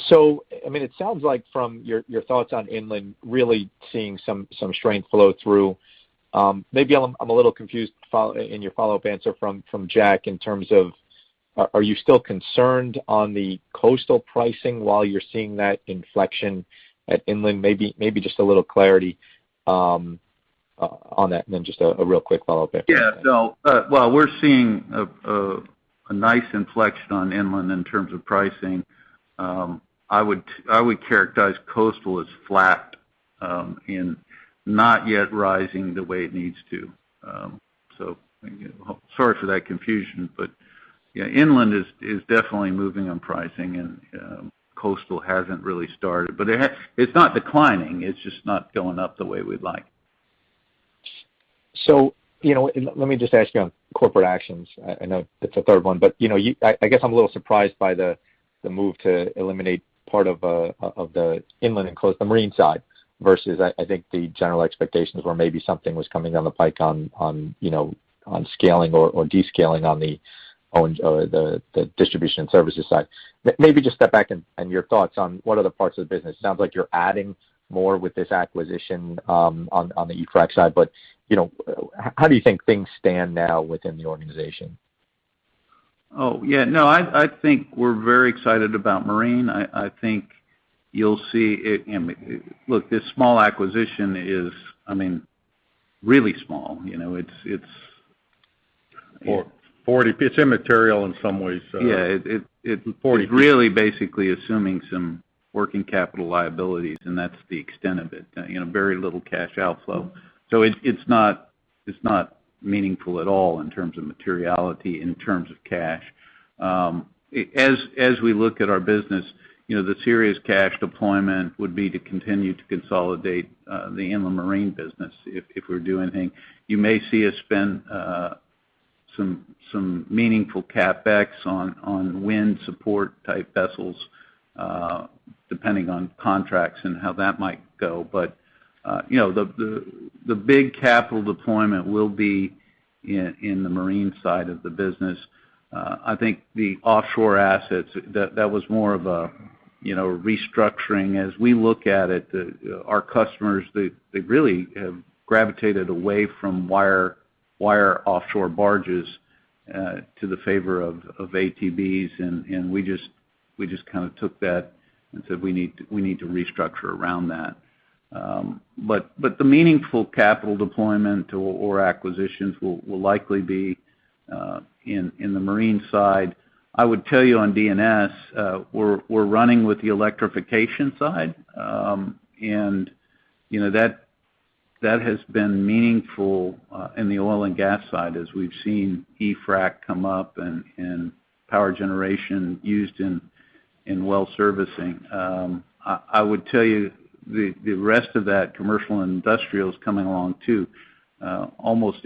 So, I mean, it sounds like from your thoughts on inland, really seeing some strength flow through. Maybe I'm a little confused following your follow-up answer from Jack in terms of, are you still concerned on the coastal pricing while you're seeing that inflection at inland? Maybe just a little clarity on that. Just a real quick follow-up if- Yeah. No. While we're seeing a nice inflection on inland in terms of pricing, I would characterize coastal as flat, and not yet rising the way it needs to. So, sorry for that confusion, but yeah, inland is definitely moving on pricing and coastal hasn't really started. It's not declining, it's just not going up the way we'd like. You know, let me just ask you on corporate actions. I know it's a third one, but you know I guess I'm a little surprised by the move to eliminate part of the inland and coastal marine side versus I think the general expectations were maybe something was coming down the pike on you know on scaling or descaling on the distribution and services side. Maybe just step back and your thoughts on what other parts of the business. Sounds like you're adding more with this acquisition on the e-frac side but you know how do you think things stand now within the organization? Oh, yeah, no, I think we're very excited about Marine. I think you'll see it. Look, this small acquisition is, I mean, really small. You know, it's It's immaterial in some ways, so. Yeah. 40. It's really basically assuming some working capital liabilities, and that's the extent of it, you know, very little cash outflow. It's not meaningful at all in terms of materiality, in terms of cash. As we look at our business, you know, the serious cash deployment would be to continue to consolidate the inland marine business if we do anything. You may see us spend some meaningful CapEx on wind support type vessels, depending on contracts and how that might go. You know, the big capital deployment will be in the marine side of the business. I think the offshore assets, that was more of a, you know, restructuring. As we look at it, our customers they really have gravitated away from wire offshore barges to the favor of ATBs. We just kind of took that and said, "We need to restructure around that." But the meaningful capital deployment or acquisitions will likely be in the marine side. I would tell you on D&S, we're running with the electrification side. You know, that has been meaningful in the oil and gas side as we've seen e-frac come up and power generation used in well servicing. I would tell you the rest of that commercial and industrial is coming along too. Almost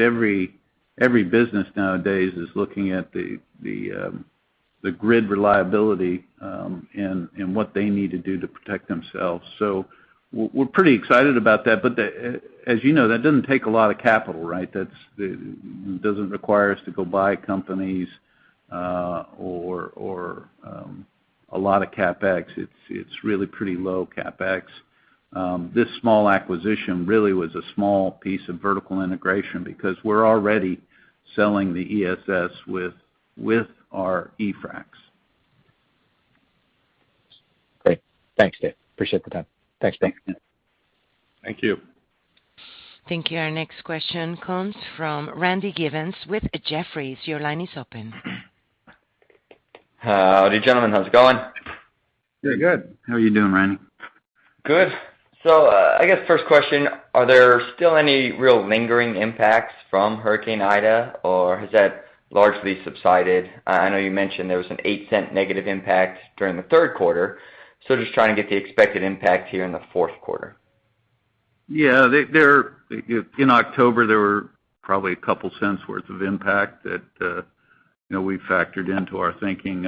every business nowadays is looking at the grid reliability and what they need to do to protect themselves. We're pretty excited about that. As you know, that doesn't take a lot of capital, right? It doesn't require us to go buy companies or a lot of CapEx. It's really pretty low CapEx. This small acquisition really was a small piece of vertical integration because we're already selling the ESS with our e-fracs. Great. Thanks, Dave. Appreciate the time. Thanks. Thanks. Thank you. Thank you. Our next question comes from Randy Giveans with Jefferies. Your line is open. How are you, gentlemen? How's it going? Very good. How are you doing, Randy? Good. I guess first question, are there still any real lingering impacts from Hurricane Ida, or has that largely subsided? I know you mentioned there was a $0.08 negative impact during the third quarter. Just trying to get the expected impact here in the fourth quarter. Yeah. In October, there were probably a couple cents worth of impact that, you know, we factored into our thinking.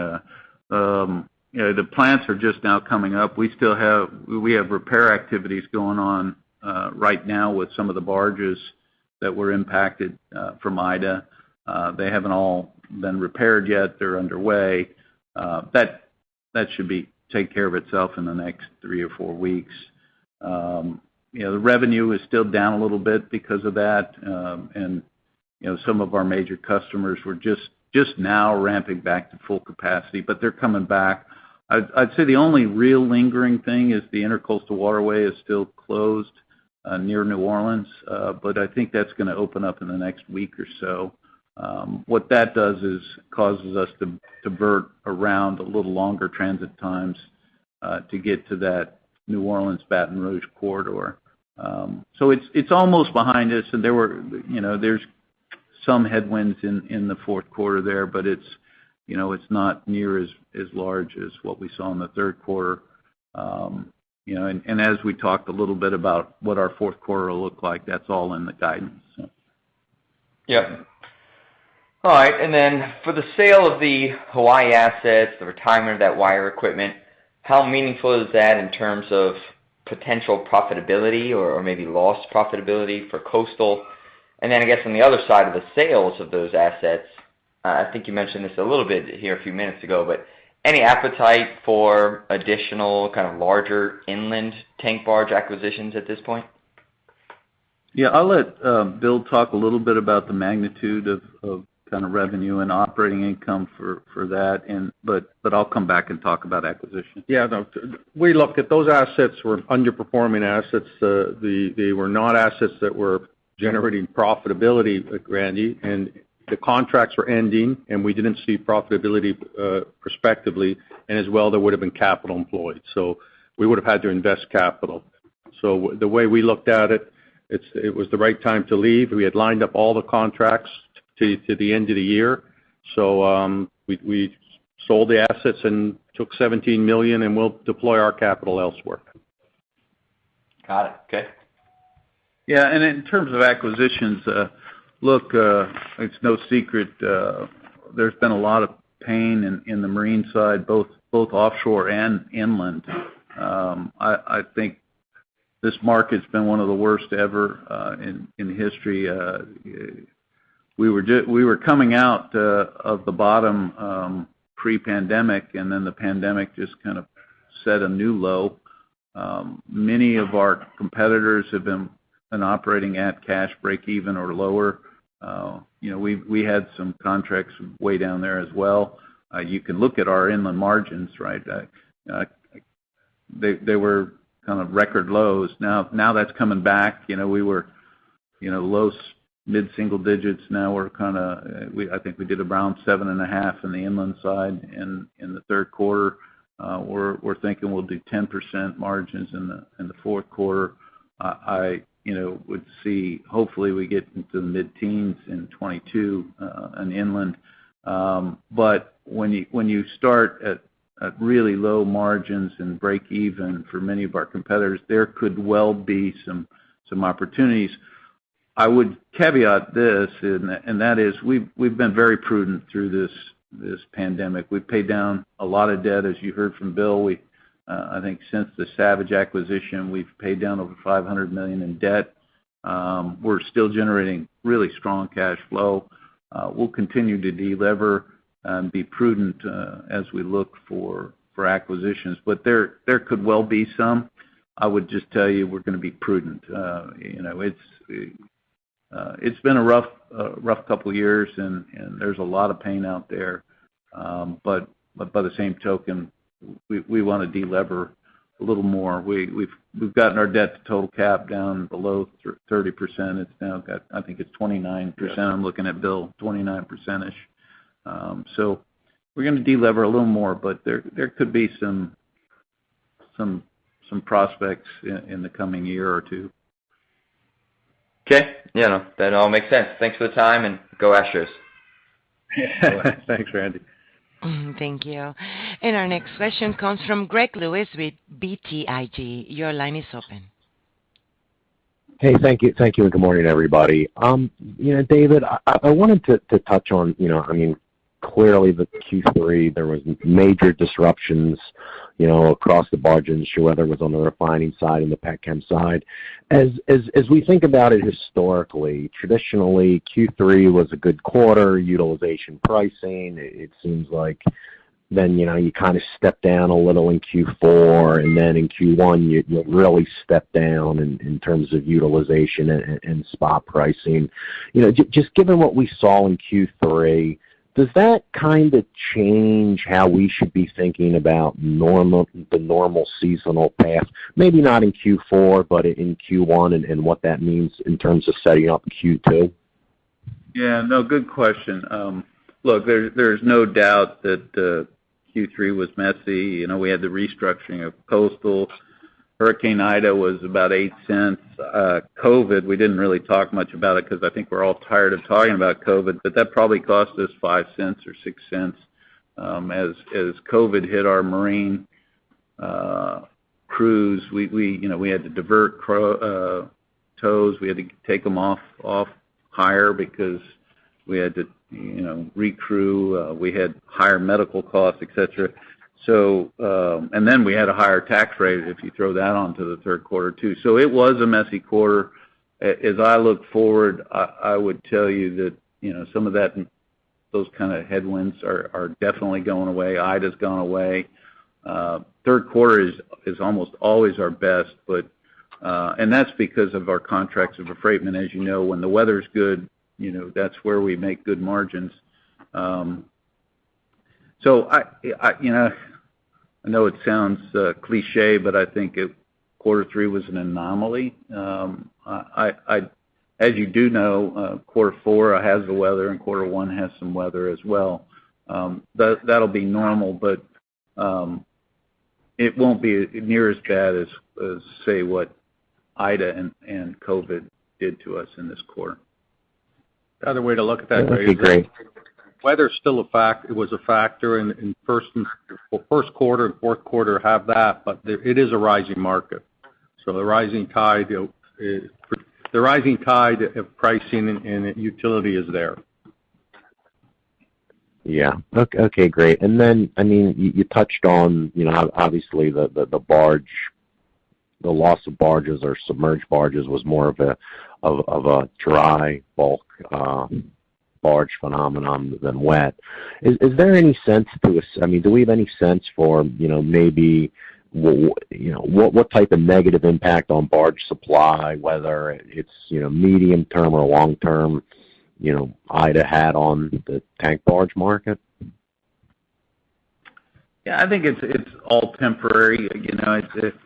You know, the plants are just now coming up. We have repair activities going on right now with some of the barges that were impacted from Ida. They haven't all been repaired yet. They're underway. That should take care of itself in the next three or four weeks. You know, the revenue is still down a little bit because of that. You know, some of our major customers were just now ramping back to full capacity, but they're coming back. I'd say the only real lingering thing is the Intracoastal Waterway is still closed near New Orleans. I think that's gonna open up in the next week or so. What that does is causes us to divert around a little longer transit times to get to that New Orleans-Baton Rouge corridor. It's almost behind us. You know, there's some headwinds in the fourth quarter there, but it's, you know, it's not near as large as what we saw in the third quarter. You know, and as we talked a little bit about what our fourth quarter will look like, that's all in the guidance, so. Yeah. All right. For the sale of the Hawaii assets, the retirement of that wire equipment, how meaningful is that in terms of potential profitability or maybe lost profitability for coastal? I guess on the other side of the sales of those assets, I think you mentioned this a little bit here a few minutes ago, but any appetite for additional kind of larger inland tank barge acquisitions at this point? Yeah. I'll let Bill talk a little bit about the magnitude of kind of revenue and operating income for that, but I'll come back and talk about acquisitions. Yeah. No, we looked at those assets were underperforming assets. They were not assets that were generating profitability at [Randy] and the contracts were ending, and we didn't see profitability prospectively, and as well, there would've been capital employed. We would've had to invest capital. The way we looked at it was the right time to leave. We had lined up all the contracts to the end of the year. We sold the assets and took $17 million, and we'll deploy our capital elsewhere. Got it. Okay. Yeah. In terms of acquisitions, look, it's no secret, there's been a lot of pain in the marine side, both offshore and inland. I think this market's been one of the worst ever, in history. We were coming out of the bottom, pre-pandemic, and then the pandemic just kind of set a new low. Many of our competitors have been operating at cash breakeven or lower. You know, we had some contracts way down there as well. You can look at our inland margins, right? They were kind of record lows. Now that's coming back. We were low-mid single digits. Now we did around 7.5 in the inland side in the third quarter. We're thinking we'll do 10% margins in the fourth quarter. I would see hopefully we get into the mid-teens in 2022 on inland. When you start at really low margins and breakeven for many of our competitors, there could well be some opportunities. I would caveat this, and that is we've been very prudent through this pandemic. We've paid down a lot of debt, as you heard from Bill. I think since the Savage acquisition, we've paid down over $500 million in debt. We're still generating really strong cash flow. We'll continue to de-lever and be prudent as we look for acquisitions. There could well be some. I would just tell you we're gonna be prudent. You know, it's been a rough couple years and there's a lot of pain out there. By the same token, we wanna de-lever a little more. We've gotten our debt to total cap down below 30%. It's now, I think, 29%. Yeah. I'm looking at Bill. 29%-ish. We're gonna de-lever a little more, but there could be some prospects in the coming year or two. Okay. Yeah, no, that all makes sense. Thanks for the time and go Astros. Thanks, Randy. Thank you. Our next question comes from Greg Lewis with BTIG. Your line is open. Hey, thank you. Thank you, and good morning, everybody. You know, David, I wanted to touch on, you know, I mean, clearly the Q3, there was major disruptions, you know, across the barge industry, whether it was on the refining side and the pet chem side. As we think about it historically, traditionally, Q3 was a good quarter, utilization pricing. It seems like then, you know, you kind of step down a little in Q4, and then in Q1, you really step down in terms of utilization and spot pricing. You know, just given what we saw in Q3, does that kind of change how we should be thinking about the normal seasonal path? Maybe not in Q4, but in Q1 and what that means in terms of setting up Q2. Yeah. No, good question. Look, there's no doubt that Q3 was messy. You know, we had the restructuring of Coastal. Hurricane Ida was about $0.08. COVID, we didn't really talk much about it 'cause I think we're all tired of talking about COVID, but that probably cost us $0.05 or $0.06. As COVID hit our marine crews, we you know, we had to divert tows. We had to take them off hire because we had to you know, recrew, we had higher medical costs, et cetera. We had a higher tax rate if you throw that onto the third quarter too. It was a messy quarter. As I look forward, I would tell you that you know, some of those kinds of headwinds are definitely going away. Ida's gone away. Third quarter is almost always our best, but that's because of our contracts of affreightment. As you know, when the weather's good, you know, that's where we make good margins. So, I, you know, I know it sounds cliché, but I think quarter three was an anomaly. As you do know, quarter four has the weather and quarter one has some weather as well. That'll be normal, but it won't be near as bad as, say, what Ida and COVID did to us in this quarter. The other way to look at that, Greg. That'd be great. Weather's still a factor. Well, first quarter and fourth quarter have that, but it is a rising market. The rising tide of pricing and utilization is there. Okay, great. I mean, you touched on, you know, how obviously the barge. The loss of barges or submerged barges was more of a dry bulk barge phenomenon than wet. Is there any sense to this? I mean, do we have any sense for, you know, maybe you know, what type of negative impact on barge supply, whether it's, you know, medium-term or long-term, you know, Ida had on the tank barge market? Yeah, I think it's all temporary. You know, it's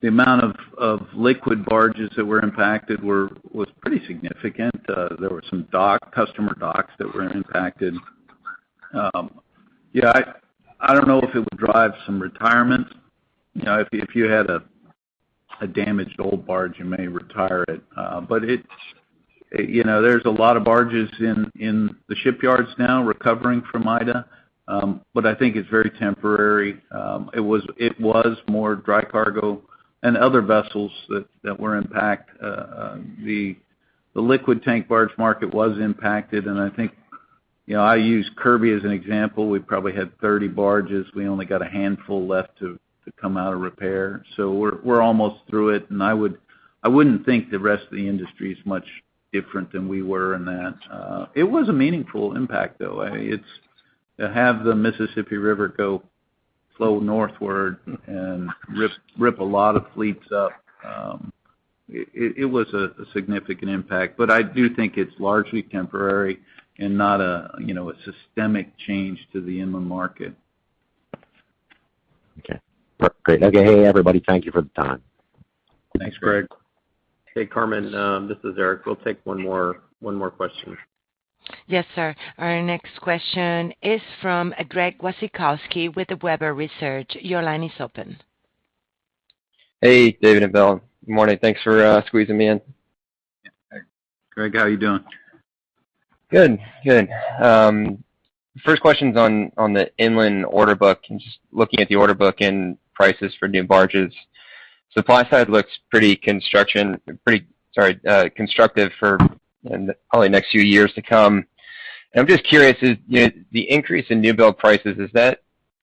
the amount of liquid barges that were impacted was pretty significant. There were some customer docks that were impacted. Yeah, I don't know if it would drive some retirements. You know, if you had a damaged old barge, you may retire it. But you know, there's a lot of barges in the shipyards now recovering from Ida. But I think it's very temporary. It was more dry cargo and other vessels that were impacted. The liquid tank barge market was impacted, and I think you know, I use Kirby as an example. We probably had 30 barges. We only got a handful left to come out of repair. So, we're almost through it. I wouldn't think the rest of the industry is much different than we were in that. It was a meaningful impact, though. I mean, it's to have the Mississippi River go flow northward and rip a lot of fleets up, it was a significant impact, but I do think it's largely temporary and not a systemic change to the inland market. Okay. Great. Okay. Hey, everybody. Thank you for the time. Thanks, Greg. Hey, Carmen, this is Eric. We'll take one more question. Yes, sir. Our next question is from Greg Wasikowski with the Webber Research. Your line is open. Hey, David and Bill. Good morning. Thanks for squeezing me in. Greg, how are you doing? Good. First questions on the inland order book and just looking at the order book and prices for new barges. Supply side looks pretty constructive for probably next few years to come. I'm just curious, you know, is the increase in new build prices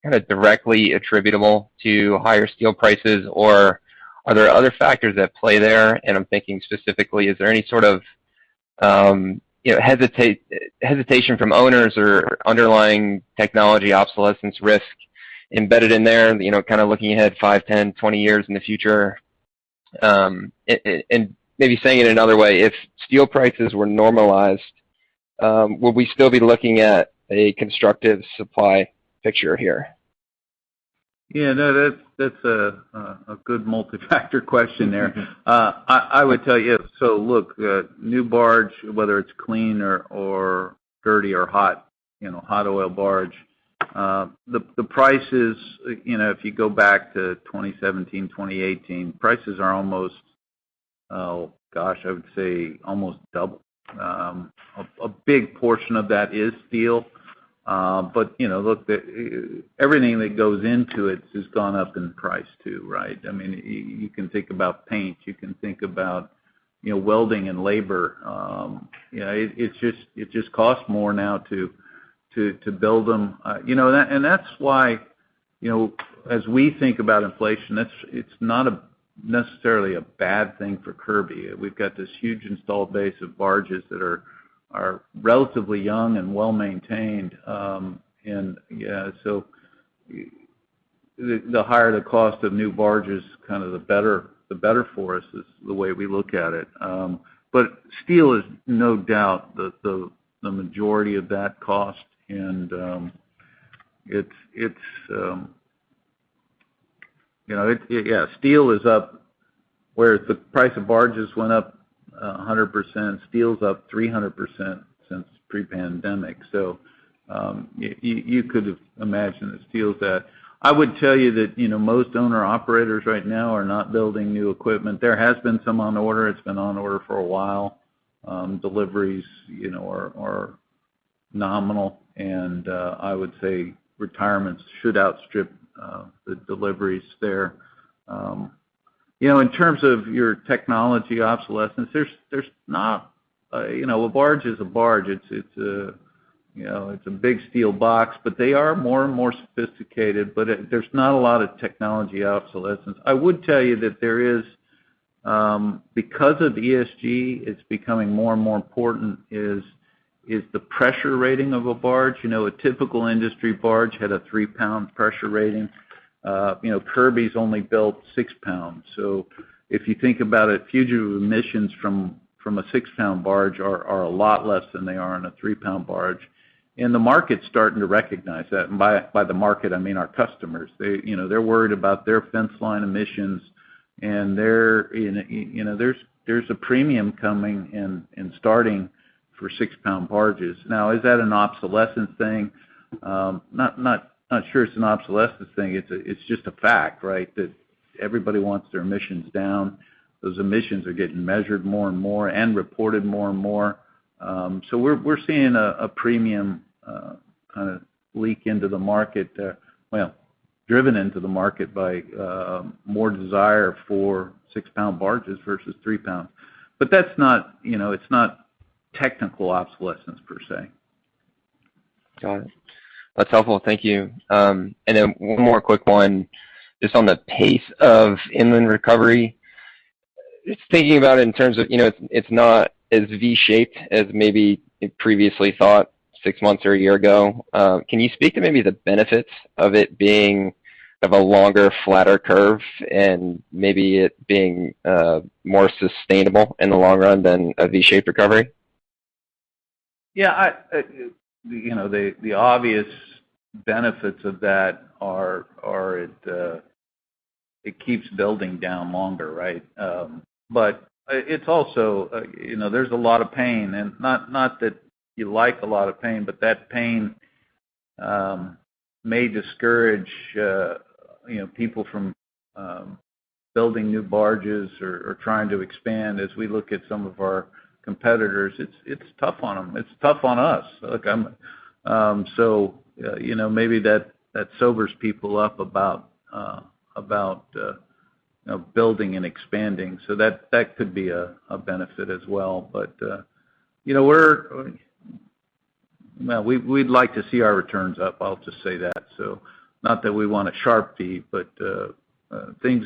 kinda directly attributable to higher steel prices, or are there other factors at play there? I'm thinking specifically, you know, is there any sort of hesitation from owners or underlying technology obsolescence risk embedded in there, you know, kinda looking ahead five, 10, 20 years in the future? Maybe saying it another way, if steel prices were normalized, would we still be looking at a constructive supply picture here? Yeah, no, that's a good multifactor question there. I would tell you, so look, new barge, whether it's clean or dirty or hot, you know, hot oil barge, the prices, you know, if you go back to 2017, 2018, prices are almost, oh, gosh, I would say almost double. A big portion of that is steel. But you know, look, everything that goes into it has gone up in price, too, right? I mean, you can think about paint. You can think about, you know, welding and labor. You know, it just costs more now to build them. You know, and that's why, you know, as we think about inflation, it's not necessarily a bad thing for Kirby. We've got this huge installed base of barges that are relatively young and well-maintained. The higher the cost of new barges, kinda the better for us is the way we look at it. Steel is no doubt the majority of that cost. Yeah, steel is up. Whereas the price of barges went up 100%, steel's up 300% since pre-pandemic. You could imagine the steels at. I would tell you that, you know, most owner-operators right now are not building new equipment. There has been some on order. It's been on order for a while. Deliveries, you know, are nominal, and I would say retirements should outstrip the deliveries there. You know, in terms of your technology obsolescence, there's not, you know, a barge is a barge. It's a big steel box, but they are more and more sophisticated, but there's not a lot of technology obsolescence. I would tell you that there is, because of ESG, it's becoming more and more important is the pressure rating of a barge. You know, a typical industry barge had a three-pound pressure rating. You know, Kirby's only built six pounds. So, if you think about it, fugitive emissions from a six-pound barge are a lot less than they are in a three-pound barge. And the market's starting to recognize that. And by the market, I mean, our customers. They, you know, they're worried about their fence line emissions, and you know, there's a premium coming and starting for six-pound barges. Now, is that an obsolescence thing? Not sure it's an obsolescence thing. It's just a fact, right? That everybody wants their emissions down. Those emissions are getting measured more and more and reported more and more. So, we're seeing a premium kinda leak into the market, well, driven into the market by more desire for six-pound barges versus three-pound. But that's not, you know, it's not technical obsolescence per se. Got it. That's helpful. Thank you. One more quick one, just on the pace of inland recovery. Just thinking about it in terms of, you know, it's not as V-shaped as maybe you previously thought six months or a year ago. Can you speak to maybe the benefits of it being of a longer, flatter curve and maybe it being more sustainable in the long run than a V-shaped recovery? Yeah, you know, the obvious benefits of that are it keeps building down longer, right? It's also, you know, there's a lot of pain and not that you like a lot of pain, but that pain may discourage, you know, people from building new barges or trying to expand. As we look at some of our competitors, it's tough on them. It's tough on us. You know, maybe that sobers people up about, you know, building and expanding. That could be a benefit as well. You know, well, we'd like to see our returns up, I'll just say that. Not that we want a sharp V, but things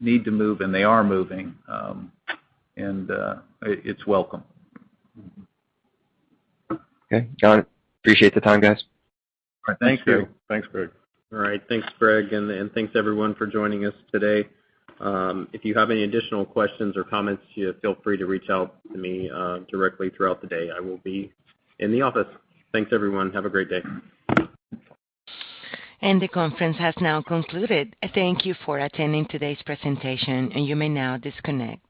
need to move, and they are moving. It's welcome. Okay. Got it. Appreciate the time, guys. Thank you. Thanks, Greg. All right. Thanks, Greg, and thanks everyone for joining us today. If you have any additional questions or comments, feel free to reach out to me directly throughout the day. I will be in the office. Thanks, everyone. Have a great day. The conference has now concluded. Thank you for attending today's presentation, and you may now disconnect.